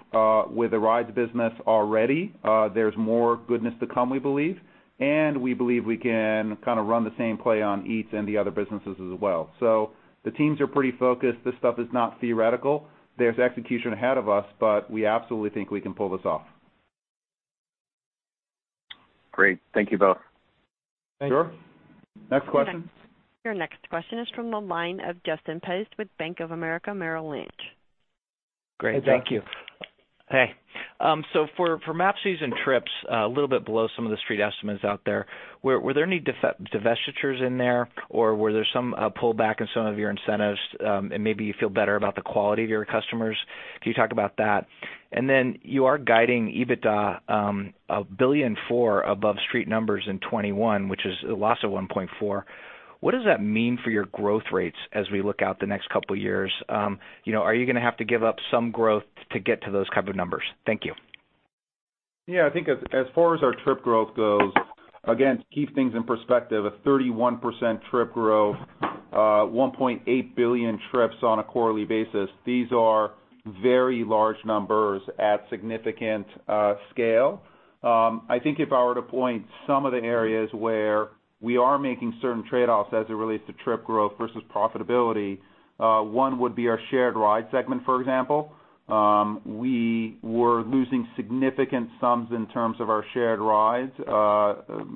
with the Rides business already. There's more goodness to come, we believe, and we believe we can kinda run the same play on Eats and the other businesses as well. The teams are pretty focused. This stuff is not theoretical. There's execution ahead of us, but we absolutely think we can pull this off. Great. Thank you both. Thank you. Sure. Next question. Your next question is from the line of Justin Post with Bank of America Merrill Lynch. Great. Thank you. Hey, Jeff. For MAPCs and trips, a little bit below some of the street estimates out there, were there any divestitures in there, or were there some pullback in some of your incentives, and maybe you feel better about the quality of your customers? Can you talk about that? You are guiding EBITDA, $1.4 billion above street numbers in 2021, which is a loss of $1.4. What does that mean for your growth rates as we look out the next couple years, you know, are you gonna have to give up some growth to get to those type of numbers? Thank you. Yeah. I think as far as our trip growth goes, again, to keep things in perspective, a 31% trip growth, 1.8 billion trips on a quarterly basis, these are very large numbers at significant scale. I think if I were to point some of the areas where we are making certain trade-offs as it relates to trip growth versus profitability, one would be our shared ride segment, for example. We were losing significant sums in terms of our shared Rides,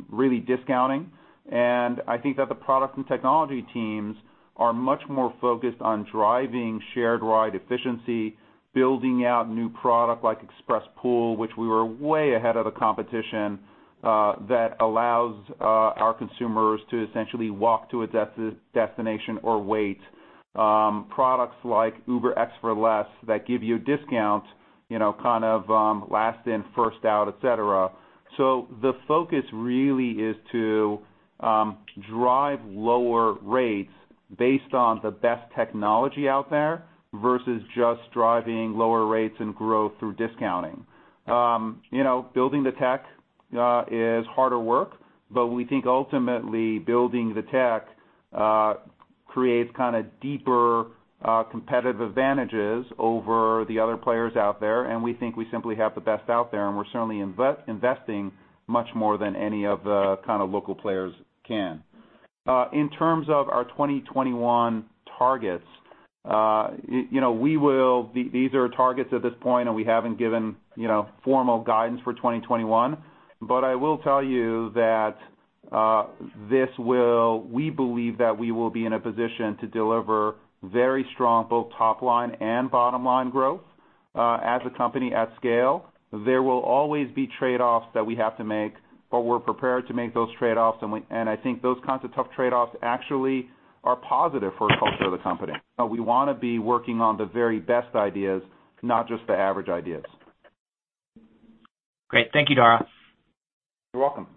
really discounting. I think that the product and technology teams are much more focused on driving shared ride efficiency, building out new product like Express POOL, which we were way ahead of the competition, that allows our consumers to essentially walk to a destination or wait. Products like UberX for Less that give you discounts, you know, kind of, last in, first out, et cetera. The focus really is to drive lower rates based on the best technology out there versus just driving lower rates and growth through discounting. You know, building the tech is harder work, but we think ultimately building the tech creates kinda deeper competitive advantages over the other players out there, and we think we simply have the best out there, and we're certainly investing much more than any of the kind of local players can. In terms of our 2021 targets, you know, these are targets at this point, and we haven't given, you know, formal guidance for 2021. I will tell you that we believe that we will be in a position to deliver very strong both top line and bottom line growth as a company at scale. There will always be trade-offs that we have to make, but we're prepared to make those trade-offs, and I think those kinds of tough trade-offs actually are positive for the culture of the company. We wanna be working on the very best ideas, not just the average ideas. Great. Thank you, Dara. You're welcome.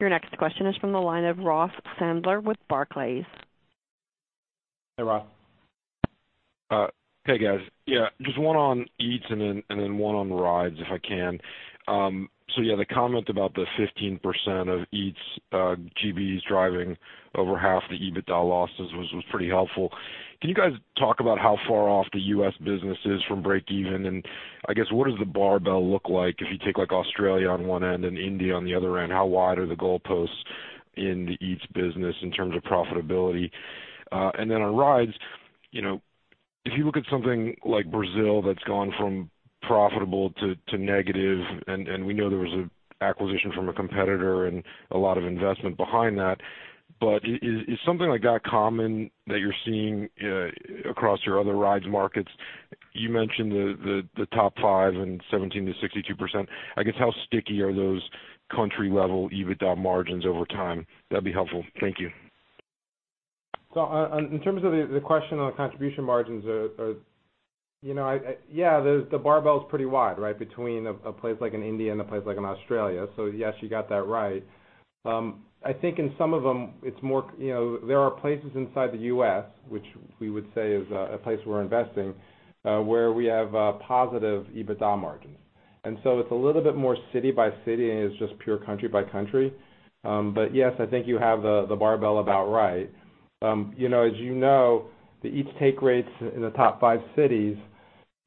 Your next question is from the line of Ross Sandler with Barclays. Hey, Ross. Hey, guys. Yeah, just one on Eats and then one on Rides, if I can. Yeah, the comment about the 15% of Eats GBs driving over half the EBITDA losses was pretty helpful. Can you guys talk about how far off the U.S. business is from break even? I guess what does the barbell look like if you take like Australia on one end and India on the other end? How wide are the goalposts in the Eats business in terms of profitability? On Rides, you know, if you look at something like Brazil that's gone from profitable to negative, and we know there was a acquisition from a competitor and a lot of investment behind that, but is something like that common that you're seeing across your other Rides markets? You mentioned the top five and 17%-62%. I guess how sticky are those country-level EBITDA margins over time? That'd be helpful. Thank you. On terms of the question on contribution margins, you know, the barbell is pretty wide, right? Between a place like India and a place like Australia. Yes, you got that right. I think in some of them it's more, you know, there are places inside the U.S., which we would say is a place we're investing, where we have positive EBITDA margins. It's a little bit more city by city, and it's just pure country by country. Yes, I think you have the barbell about right. You know, as you know, the Eats take rates in the top five cities,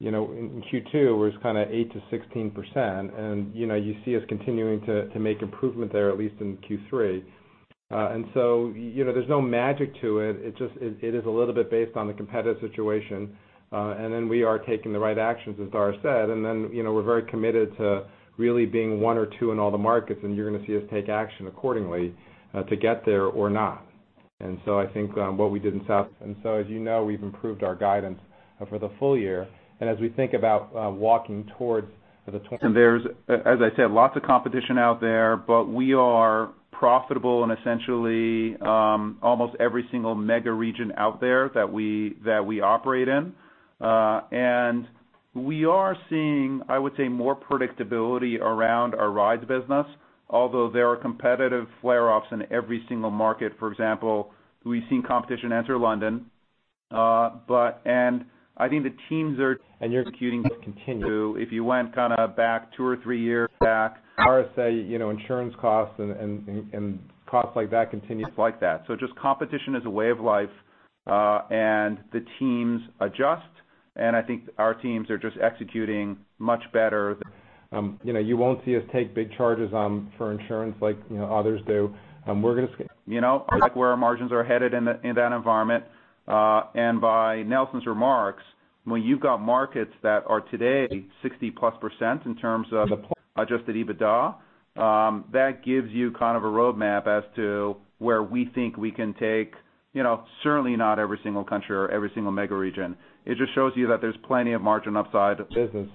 you know, in Q2 was kinda 8%-16%. You know, you see us continuing to make improvement there, at least in Q3. You know, there's no magic to it. It is a little bit based on the competitive situation. We are taking the right actions, as Dara said, and then, you know, we're very committed to really being one or two in all the markets, and you're gonna see us take action accordingly to get there or not. I think what we did in South-. As you know, we've improved our guidance for the full year. As we think about walking towards the 20-. There's, as I said, lots of competition out there, but we are profitable in essentially almost every single mega region out there that we operate in. We are seeing, I would say, more predictability around our Rides business, although there are competitive flare-ups in every single market. For example, we've seen competition enter London. Your execution has continued. If you went kind of back two or three years back, Dara said, you know, insurance costs and costs like that continues like that. Just competition is a way of life, and the teams adjust and I think our teams are just executing much better. You know, you won't see us take big charges on, for insurance like, you know, others do. You know, I like where our margins are headed in that, in that environment. By Nelson's remarks, when you've got markets that are today 60%+ in terms of adjusted EBITDA, that gives you kind of a roadmap as to where we think we can take, you know, certainly not every single country or every single mega region. It just shows you that there's plenty of margin upside business,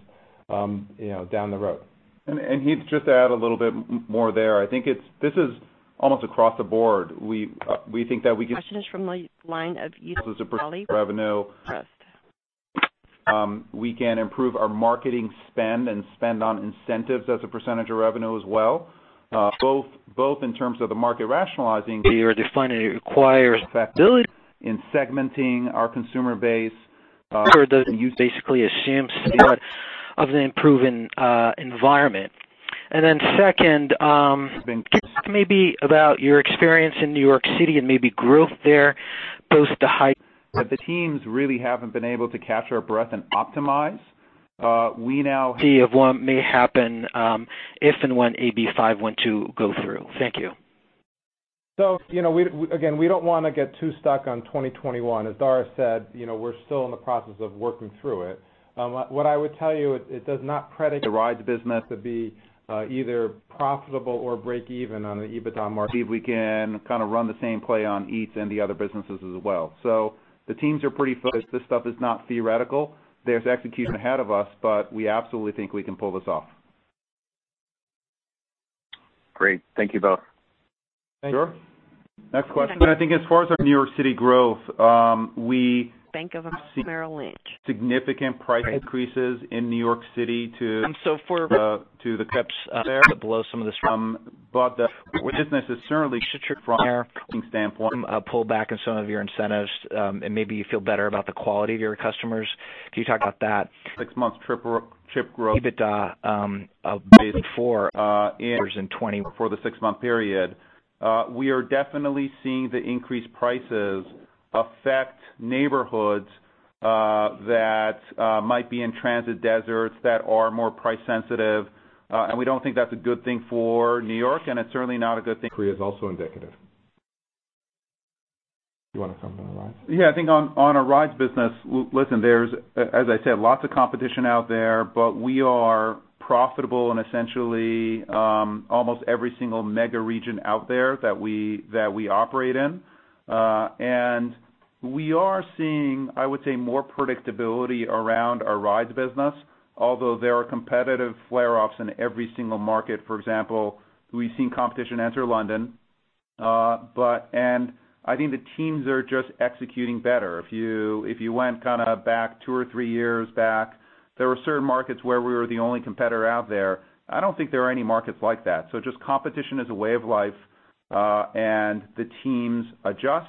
you know, down the road. To just add a little bit more there. This is almost across the board. We, we think that we can. Question is from the line of Youssef Squali with-. As a % of revenue SunTrust. We can improve our marketing spend and spend on incentives as a% of revenue as well, both in terms of the market rationalizing. The way you're defining requires profitability. In segmenting our consumer base. Does it use basically assumes somewhat of an improving environment? Second, can you talk maybe about your experience in New York City and maybe growth there, both the high The teams really haven't been able to capture our breath and optimize. See of what may happen, if and when AB5 go through. Thank you. You know, again, we don't wanna get too stuck on 2021. As Dara said, you know, we're still in the process of working through it. The Rides business to be either profitable or break even on an EBITDA margin. See if we can kind of run the same play on Eats and the other businesses as well. The teams are pretty focused. This stuff is not theoretical. There's execution ahead of us. We absolutely think we can pull this off. Great. Thank you both. Sure. Next question. I think as far as our New York City growth, Bank of America Merrill Lynch. Significant price increases in New York City. Um, so for- To the trips there. Below some of the structure. The business is certainly growing from a booking standpoint. Some pullback in some of your incentives, and maybe you feel better about the quality of your customers. Can you talk about that? Six months trip growth. EBITDA, of base four, in versus 20- For the six-month period. We are definitely seeing the increased prices affect neighborhoods that might be in transit deserts that are more price sensitive. And we don't think that's a good thing for New York, and it's certainly not a good thing. Korea is also indicative. You wanna comment on Rides? Yeah, I think on our Rides business, listen, as I said, lots of competition out there, but we are profitable in essentially almost every single mega region out there that we operate in. And we are seeing, I would say, more predictability around our Rides business, although there are competitive flare-ups in every single market. For example, we've seen competition enter London. I think the teams are just executing better. If you, if you went back two or three years back, there were certain markets where we were the only competitor out there. I don't think there are any markets like that. Just competition is a way of life, and the teams adjust.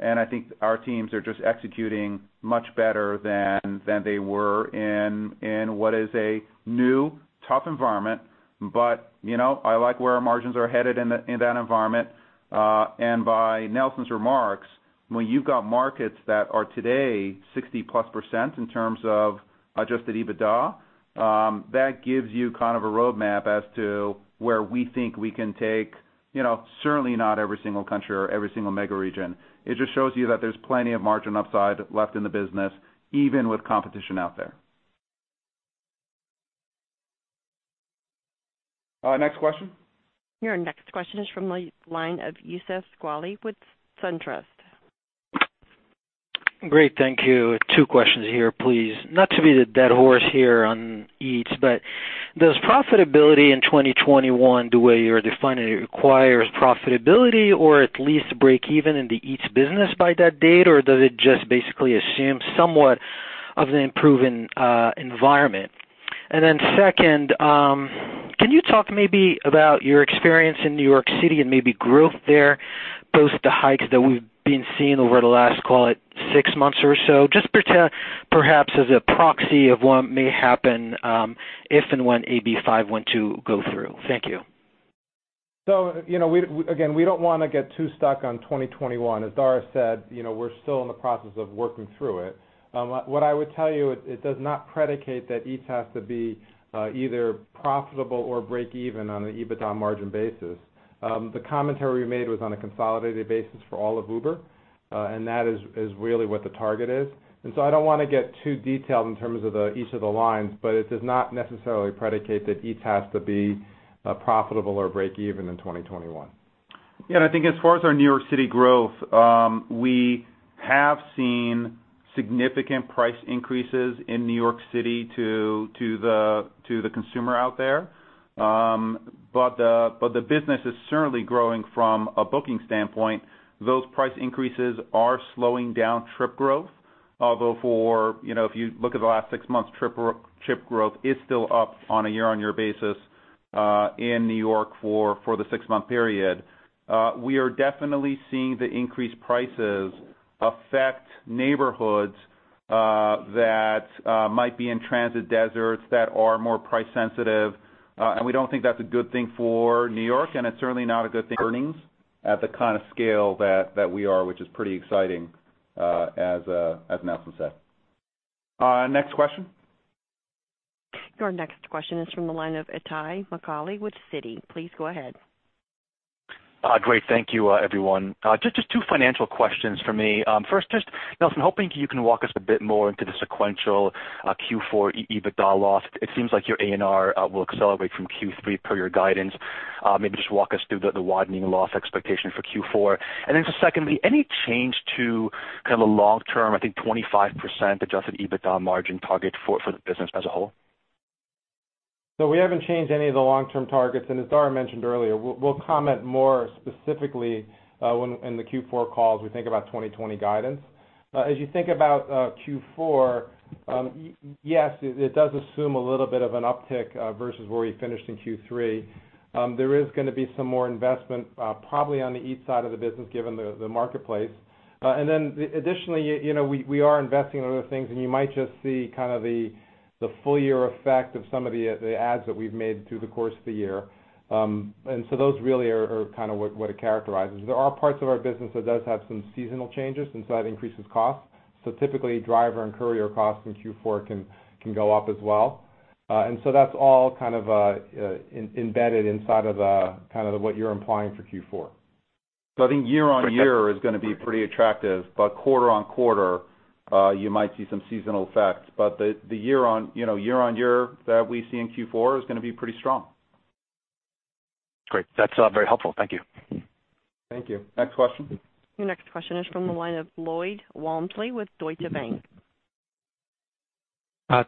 I think our teams are just executing much better than they were in what is a new tough environment. You know, I like where our margins are headed in that environment. By Nelson's remarks, when you've got markets that are today 60%+ in terms of adjusted EBITDA, that gives you a roadmap as to where we think we can take, you know, certainly not every single country or every single mega region. It just shows you that there's plenty of margin upside left in the business, even with competition out there. Next question. Your next question is from the line of Itay Michaeli with Citi. Please go ahead. Great, thank you, everyone. Just two financial questions from me. First just, Nelson, hoping you can walk us a bit more into the sequential Q4 EBITDA loss. It seems like your ANR will accelerate from Q3 per your guidance. Maybe just walk us through the widening loss expectation for Q4. Just secondly, any change to kind of a long-term, I think, 25% adjusted EBITDA margin target for the business as a whole? We haven't changed any of the long-term targets, and as Dara mentioned earlier, we'll comment more specifically in the Q4 call as we think about 2020 guidance. As you think about Q4, yes, it does assume a little bit of an uptick versus where we finished in Q3. There is gonna be some more investment probably on the Eats side of the business given the marketplace. Additionally, you know, we are investing in other things, and you might just see kind of the full year effect of some of the ads that we've made through the course of the year. Those really are kind of what it characterizes. There are parts of our business that does have some seasonal changes, and so that increases costs. Typically, driver and courier costs in Q4 can go up as well. That's all kind of embedded inside of kind of what you're implying for Q4. I think year-on-year is gonna be pretty attractive, but quarter-on-quarter, you might see some seasonal effects. The year-on-year that we see in Q4 is gonna be pretty strong. Great. That's very helpful. Thank you. Thank you. Next question. Your next question is from the line of Lloyd Walmsley with Deutsche Bank.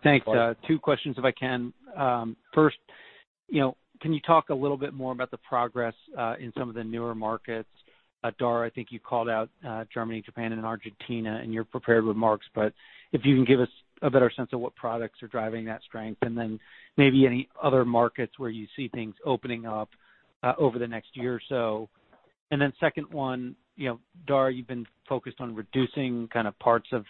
Thanks. Lloyd. Two questions if I can. First, you know, can you talk a little bit more about the progress in some of the newer markets? Dara, I think you called out Germany, Japan, and Argentina in your prepared remarks, if you can give us a better sense of what products are driving that strength, and maybe any other markets where you see things opening up over the next year or so. Second one, you know, Dara, you've been focused on reducing kind of parts of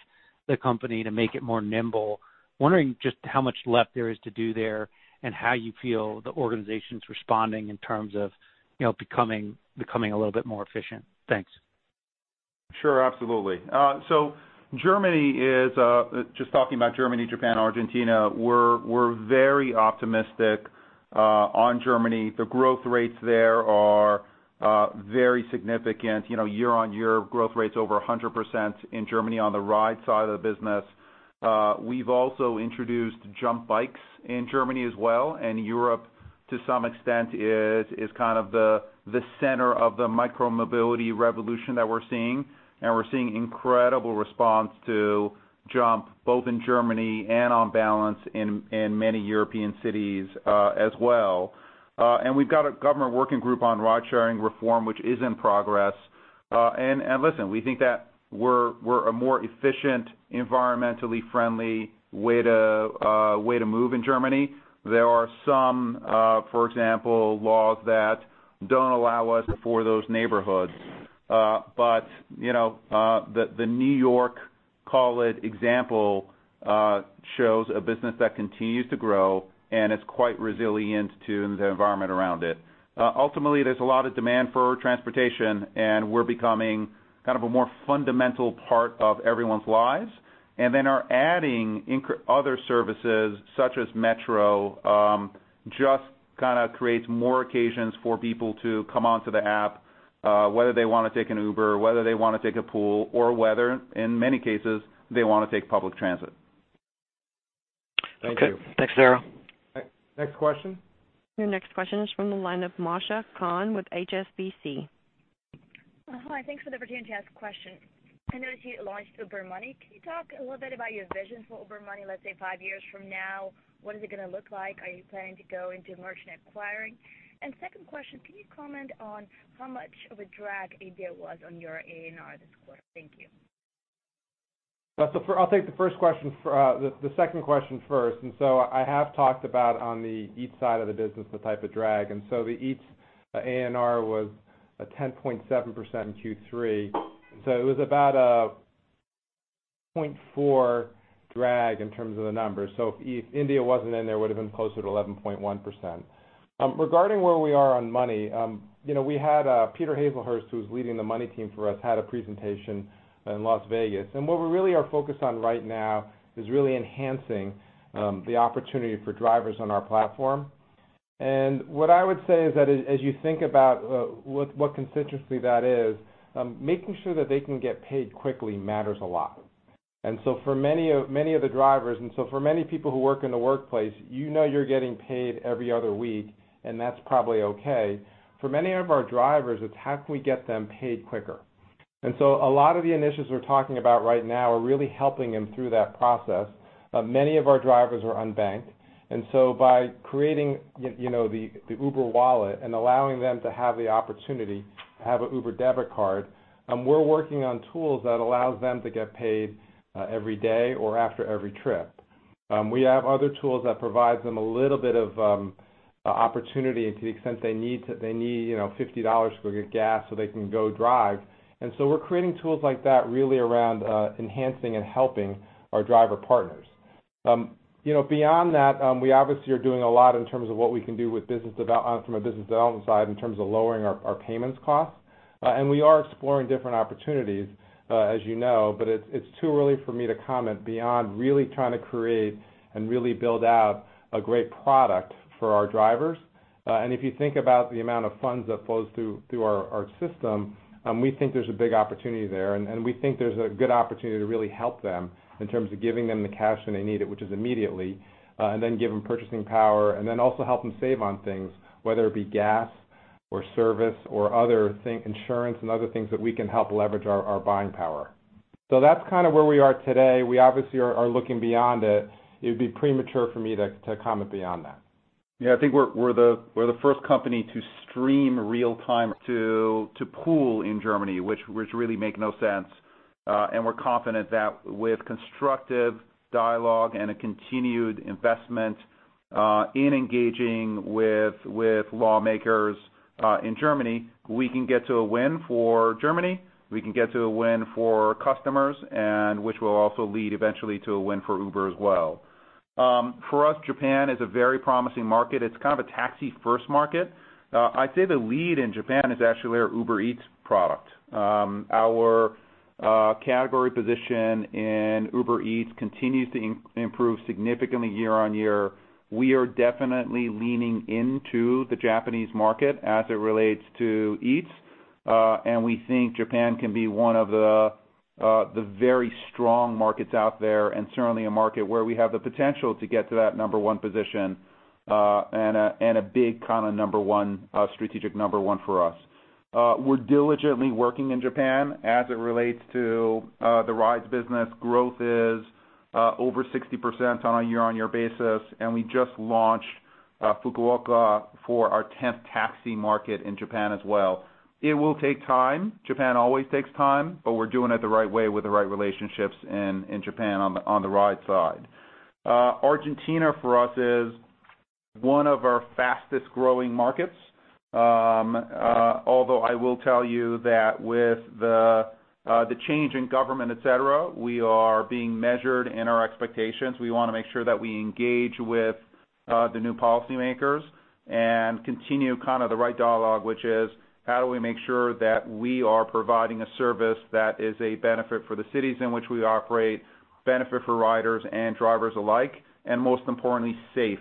the company to make it more nimble. Wondering just how much left there is to do there and how you feel the organization's responding in terms of, you know, becoming a little bit more efficient. Thanks. Sure, absolutely. Germany is, just talking about Germany, Japan, Argentina, we're very optimistic on Germany. The growth rates there are very significant. You know, year on year growth rates over 100% in Germany on the ride side of the business. We've also introduced JUMP bikes in Germany as well, and Europe to some extent is kind of the center of the micro-mobility revolution that we're seeing. We're seeing incredible response to JUMP, both in Germany and on balance in many European cities as well. We've got a government working group on Ridesharing reform which is in progress. Listen, we think that we're a more efficient, environmentally friendly way to way to move in Germany. There are some, for example, laws that don't allow us for those neighborhoods. You know, the New York, call it example, shows a business that continues to grow and is quite resilient to the environment around it. Ultimately, there's a lot of demand for transportation, and we're becoming kind of a more fundamental part of everyone's lives. Our adding other services, such as Metro, just kind of creates more occasions for people to come onto the app, whether they wanna take an Uber, whether they wanna take a Pool, or whether, in many cases, they wanna take public transit. Thank you. Okay. Thanks, Dara. Next question. Your next question is from the line of Masha Kahn with HSBC. Hi. Thanks for the opportunity to ask a question. I noticed you launched Uber Money. Can you talk a little bit about your vision for Uber Money, let's say, five years from now? What is it gonna look like? Are you planning to go into merchant acquiring? Second question, can you comment on how much of a drag India was on your ANR this quarter? Thank you. I'll take the first question, the second question first. I have talked about on the Eats side of the business the type of drag. The Eats ANR was a 10.7% in Q3. It was about a 0.4 drag in terms of the numbers. If India wasn't in there, it would've been closer to 11.1%. Regarding where we are on Money, you know, we had Peter Hazlehurst, who's leading the Money team for us, had a presentation in Las Vegas. What we really are focused on right now is really enhancing the opportunity for drivers on our platform. What I would say is that as you think about what constituency that is, making sure that they can get paid quickly matters a lot. For many of the drivers, for many people who work in the workplace, you know you're getting paid every other week, and that's probably okay. For many of our drivers, it's how can we get them paid quicker? A lot of the initiatives we're talking about right now are really helping them through that process. Many of our drivers are unbanked, by creating, you know, the Uber Wallet and allowing them to have the opportunity to have an Uber debit card, we're working on tools that allows them to get paid every day or after every trip. We have other tools that provides them a little bit of opportunity to the extent they need, you know, $50 to go get gas so they can go drive. We're creating tools like that really around enhancing and helping our driver partners. You know, beyond that, we obviously are doing a lot in terms of what we can do from a business development side in terms of lowering our payments costs. We are exploring different opportunities, as you know, but it's too early for me to comment beyond really trying to create and really build out a great product for our drivers. If you think about the amount of funds that flows through our system, we think there's a big opportunity there, and we think there's a good opportunity to really help them in terms of giving them the cash when they need it, which is immediately, and then give them purchasing power, and then also help them save on things, whether it be gas or service or insurance and other things that we can help leverage our buying power. That's kind of where we are today. We obviously are looking beyond it. It would be premature for me to comment beyond that. I think we're the first company to stream real time to Pool in Germany, which really make no sense. We're confident that with constructive dialogue and a continued investment in engaging with lawmakers in Germany, we can get to a win for Germany, we can get to a win for customers and which will also lead eventually to a win for Uber as well. For us, Japan is a very promising market. It's kind of a taxi-first market. I'd say the lead in Japan is actually our Uber Eats product. Our category position in Uber Eats continues to improve significantly year-on-year. We are definitely leaning into the Japanese market as it relates to Eats. We think Japan can be one of the very strong markets out there and certainly a market where we have the potential to get to that number one position, and a big kind of number one, strategic number 1 for us. We're diligently working in Japan as it relates to the Rides business. Growth is over 60% on a year-on-year basis. We just launched Fukuoka for our 10th taxi market in Japan as well. It will take time. Japan always takes time. We're doing it the right way with the right relationships in Japan on the Rides side. Argentina for us is one of our fastest-growing markets. Although I will tell you that with the change in government, et cetera, we are being measured in our expectations. We wanna make sure that we engage with the new policymakers and continue kind of the right dialogue, which is how do we make sure that we are providing a service that is a benefit for the cities in which we operate, benefit for riders and drivers alike, and most importantly, safe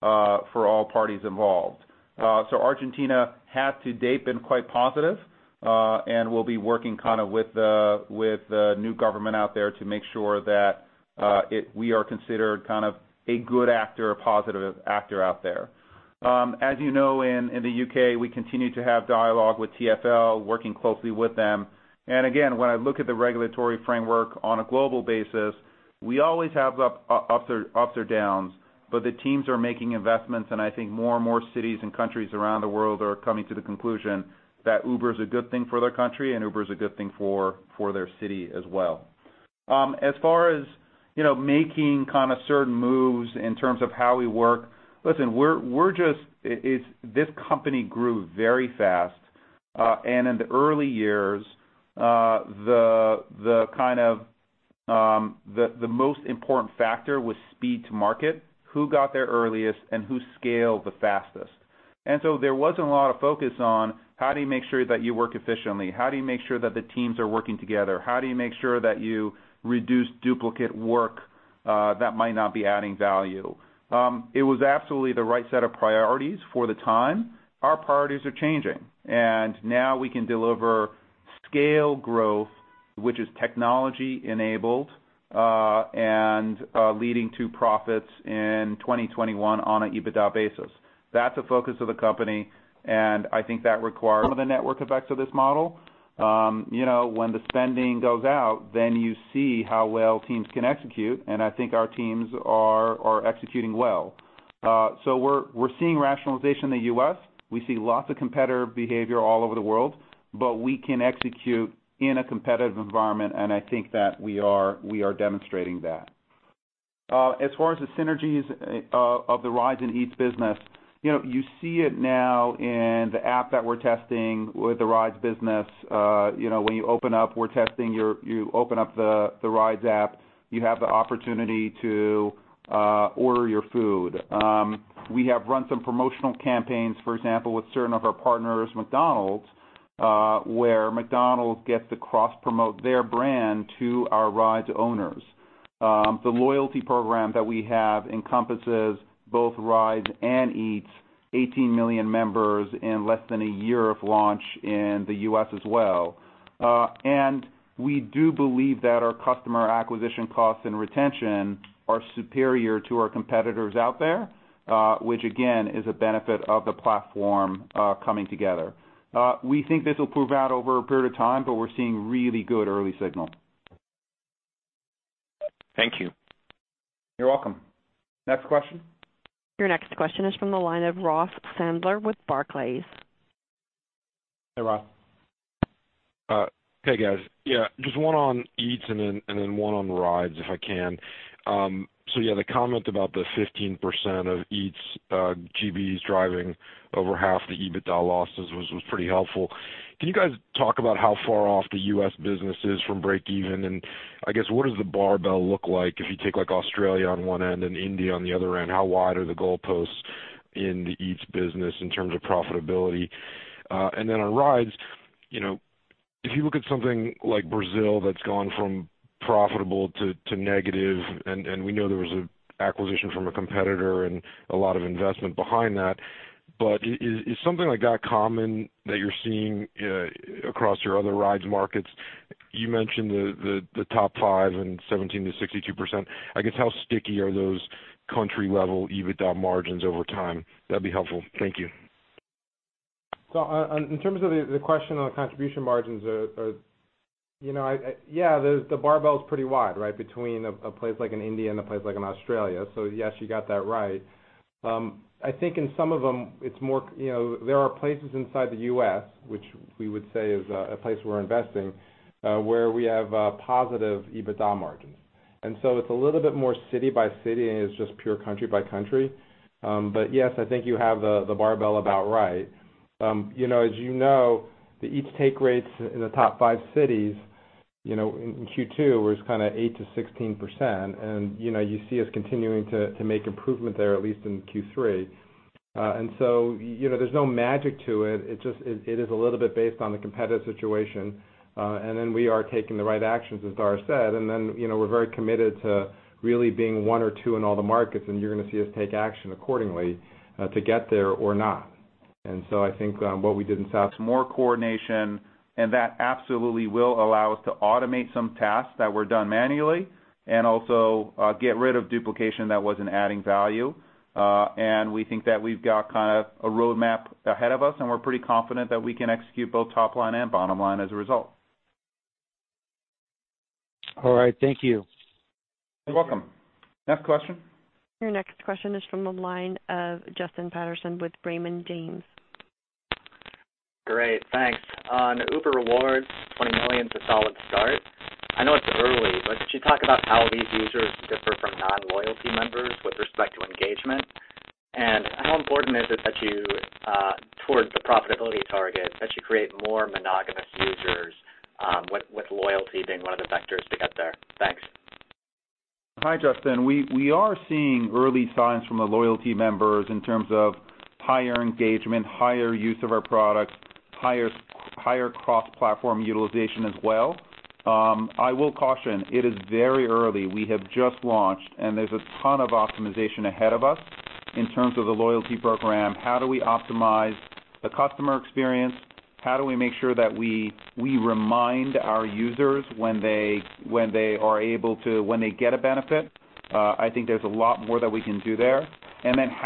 for all parties involved. but the teams are making investments, and I think more and more cities and countries around the world are coming to the conclusion that Uber is a good thing for their country and Uber is a good thing for their city as well. As far as, you know, making kind of certain moves in terms of how we work, listen, we're just this company grew very fast, and in the early years, the kind of, the most important factor was speed to market, who got there earliest and who scaled the fastest. There wasn't a lot of focus on how do you make sure that you work efficiently? How do you make sure that the teams are working together? How do you make sure that you reduce duplicate work that might not be adding value? It was absolutely the right set of priorities for the time. Our priorities are changing. Now we can deliver scale growth, which is technology-enabled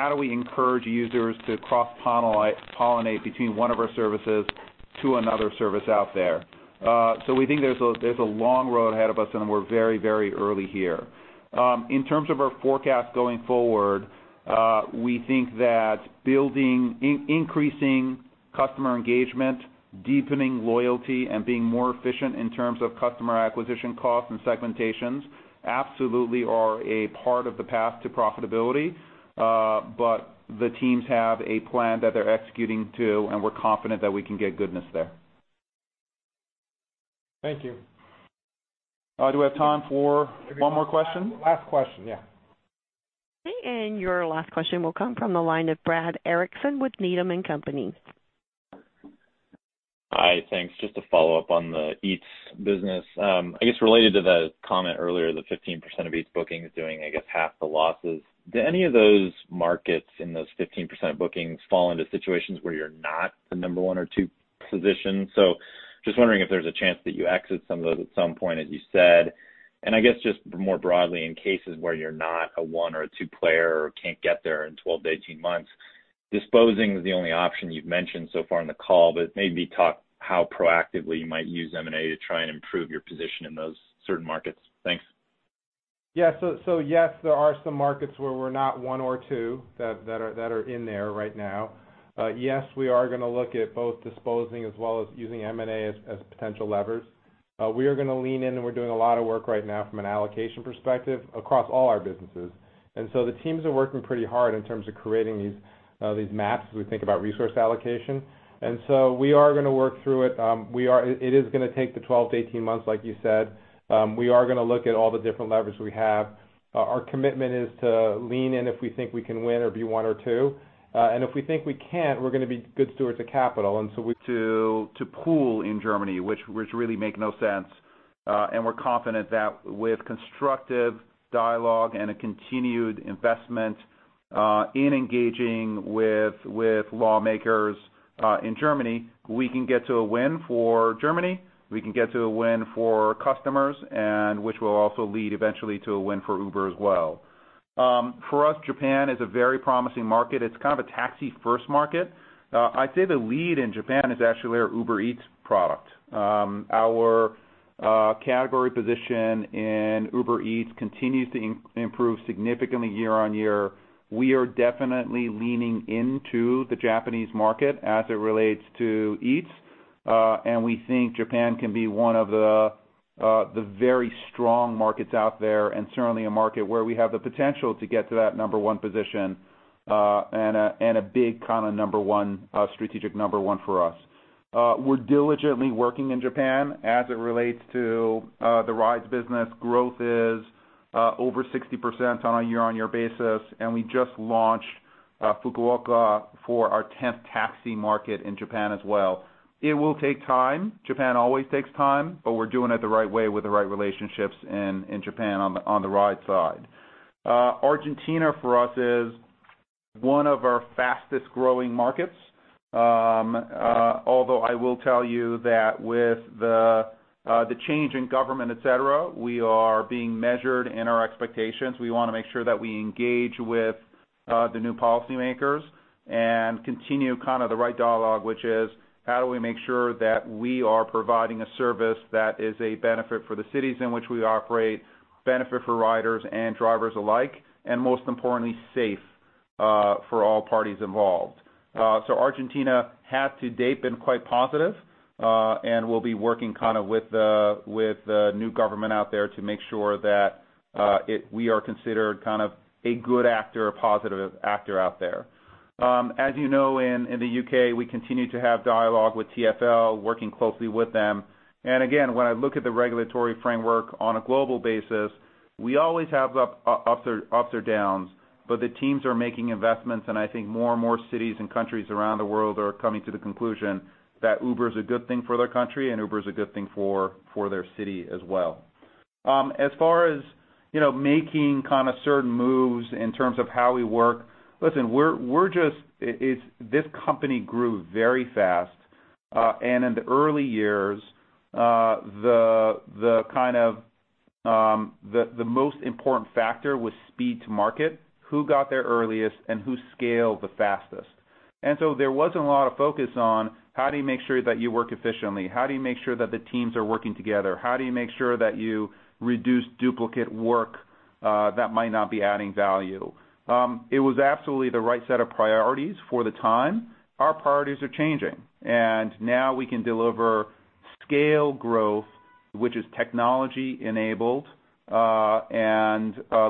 and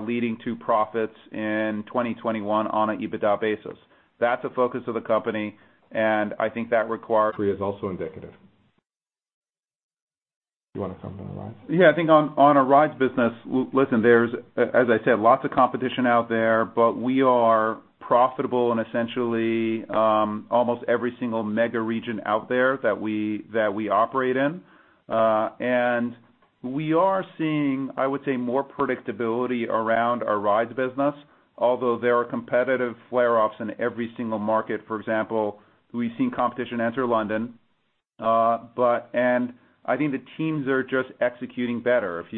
leading to profits in 2021 on an EBITDA basis. That's a focus of the company. I think that requires- Korea is also indicative. You wanna comment on Rides? Yeah, I think on our Rides business, listen, there's, as I said, lots of competition out there, but we are profitable in essentially almost every single mega region out there that we operate in. We are seeing, I would say, more predictability around our Rides business, although there are competitive flare-ups in every single market. For example, we've seen competition enter London, I think the teams are just executing better. If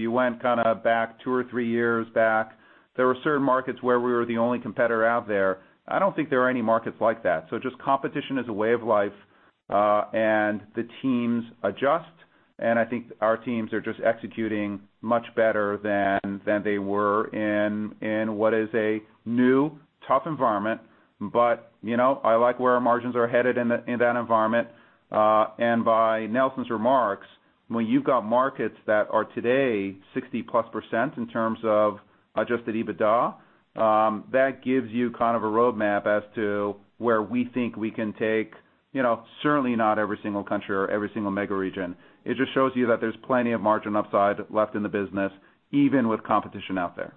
you went kind of back two or three years back, there were certain markets where we were the only competitor out there. I don't think there are any markets like that. Just competition is a way of life, and the teams adjust, and I think our teams are just executing much better than they were in what is a new, tough environment. You know, I like where our margins are headed in that environment. By Nelson's remarks, when you've got markets that are today 60%+ in terms of adjusted EBITDA, that gives you kind of a roadmap as to where we think we can take, you know, certainly not every single country or every single mega region. It just shows you that there's plenty of margin upside left in the business, even with competition out there.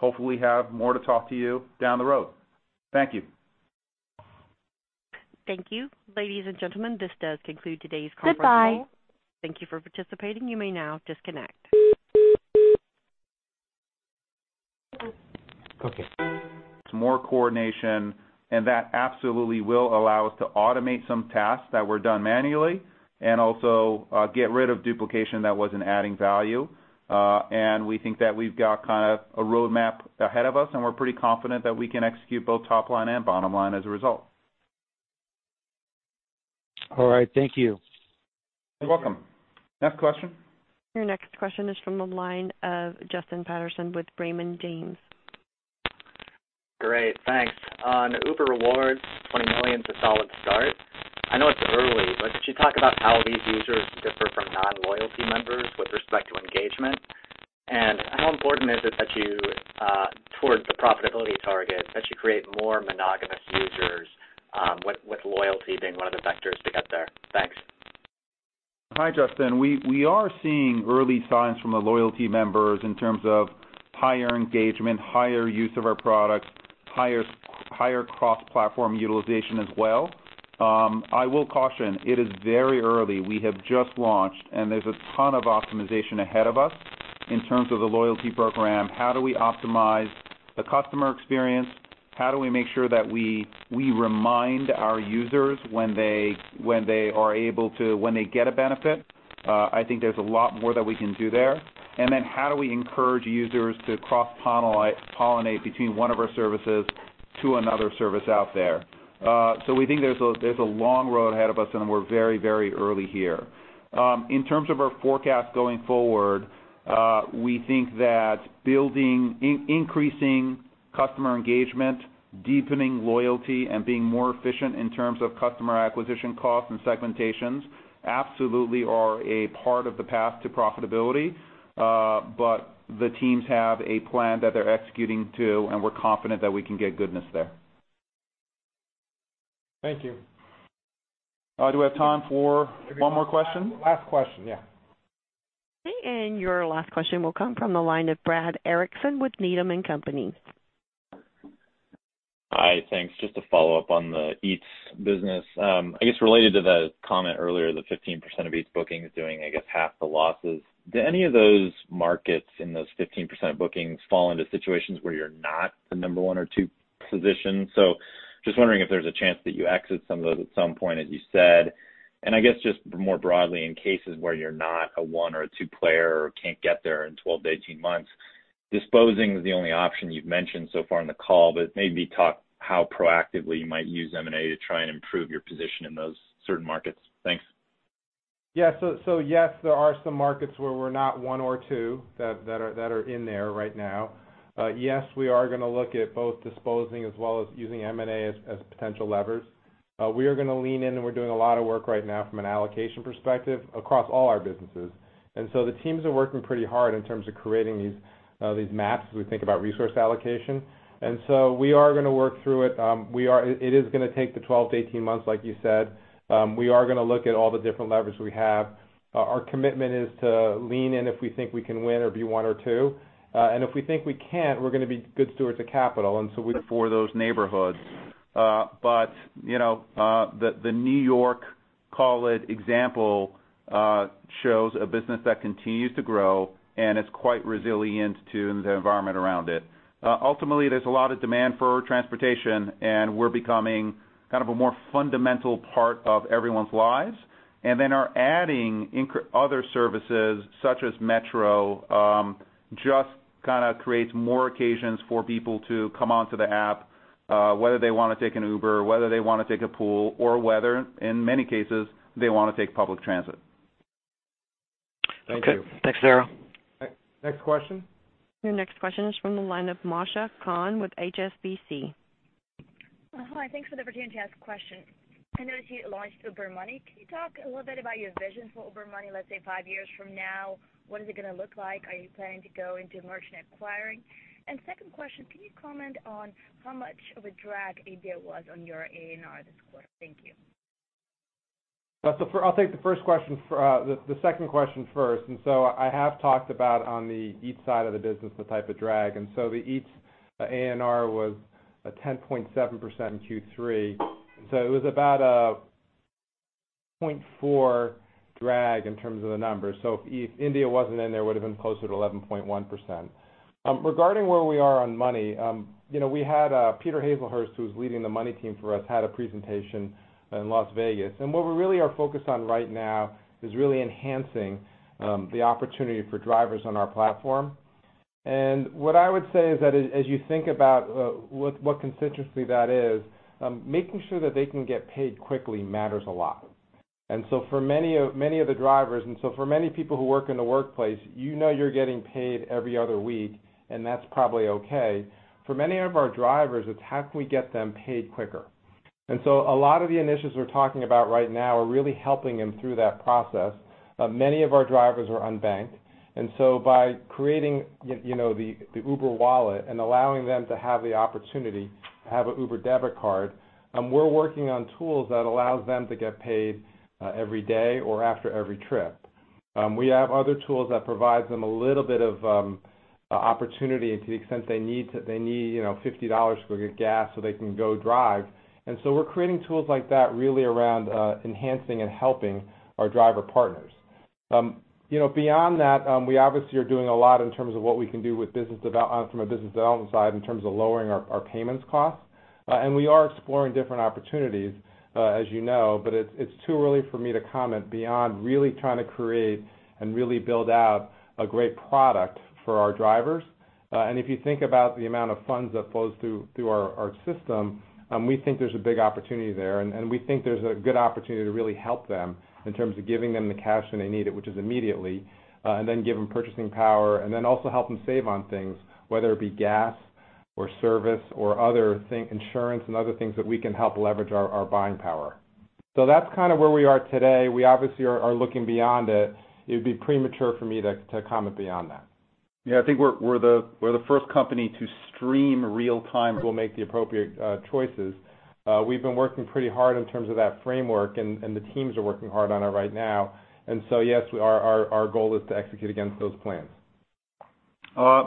Thank you. Ladies and gentlemen, this does conclude today's conference call. Goodbye. Thank you for participating. You may now disconnect.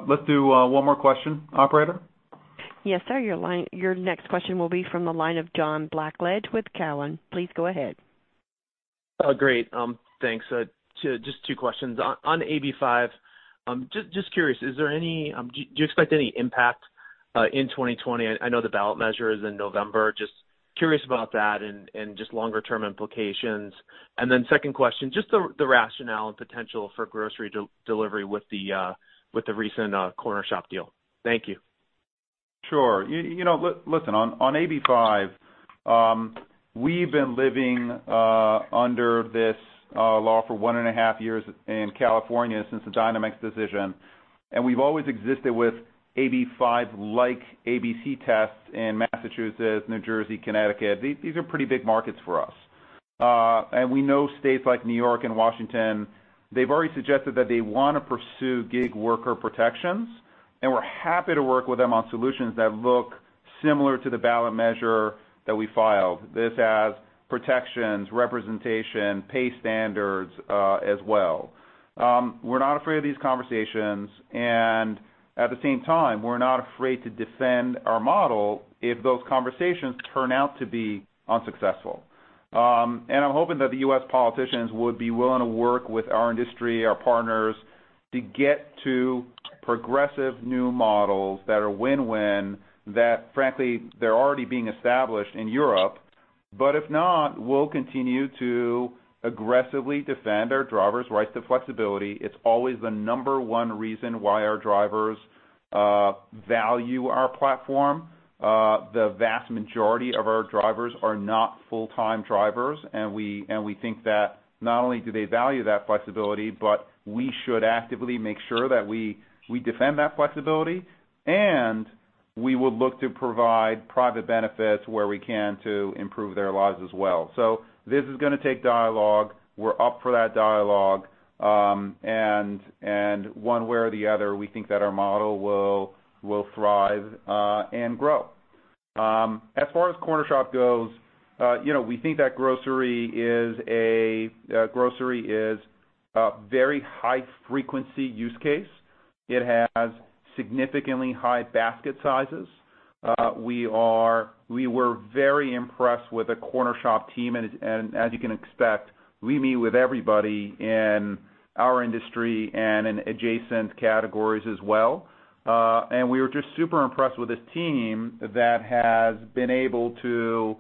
Let's do, one more question. Operator? Yes, sir. Your next question will be from the line of John Blackledge with Cowen. Please go ahead. Great. Thanks. Just two questions. On AB5, just curious, is there any, do you expect any impact in 2020? I know the ballot measure is in November. Just curious about that and just longer term implications. Second question, just the rationale and potential for grocery delivery with the recent Cornershop deal. Thank you. Sure. You know, on AB5, we've been living under this law for one and a half years in California since the Dynamex decision, and we've always existed with AB5-like ABC tests in Massachusetts, New Jersey, Connecticut. These are pretty big markets for us. We know states like New York and Washington, they've already suggested that they wanna pursue gig worker protections, and we're happy to work with them on solutions that look similar to the ballot measure that we filed. This has protections, representation, pay standards as well. We're not afraid of these conversations, at the same time, we're not afraid to defend our model if those conversations turn out to be unsuccessful. I'm hoping that the U.S. politicians would be willing to work with our industry, our partners, to get to progressive new models that are win-win that frankly, they're already being established in Europe. If not, we'll continue to aggressively defend our drivers' right to flexibility. It's always the number one reason why our drivers value our platform. The vast majority of our drivers are not full-time drivers, and we think that not only do they value that flexibility, but we should actively make sure that we defend that flexibility, and we will look to provide private benefits where we can to improve their lives as well. This is gonna take dialogue. We're up for that dialogue. One way or the other, we think that our model will thrive and grow. As far as Cornershop goes, you know, we think that grocery is a very high frequency use case. It has significantly high basket sizes. We were very impressed with the Cornershop team and as you can expect, we meet with everybody in our industry and in adjacent categories as well. We were just super impressed with this team that has been able to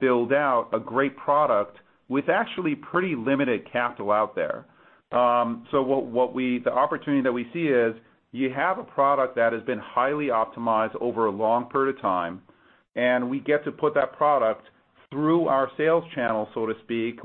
build out a great product with actually pretty limited capital out there. The opportunity that we see is, you have a product that has been highly optimized over a long period of time, and we get to put that product through our sales channel, so to speak.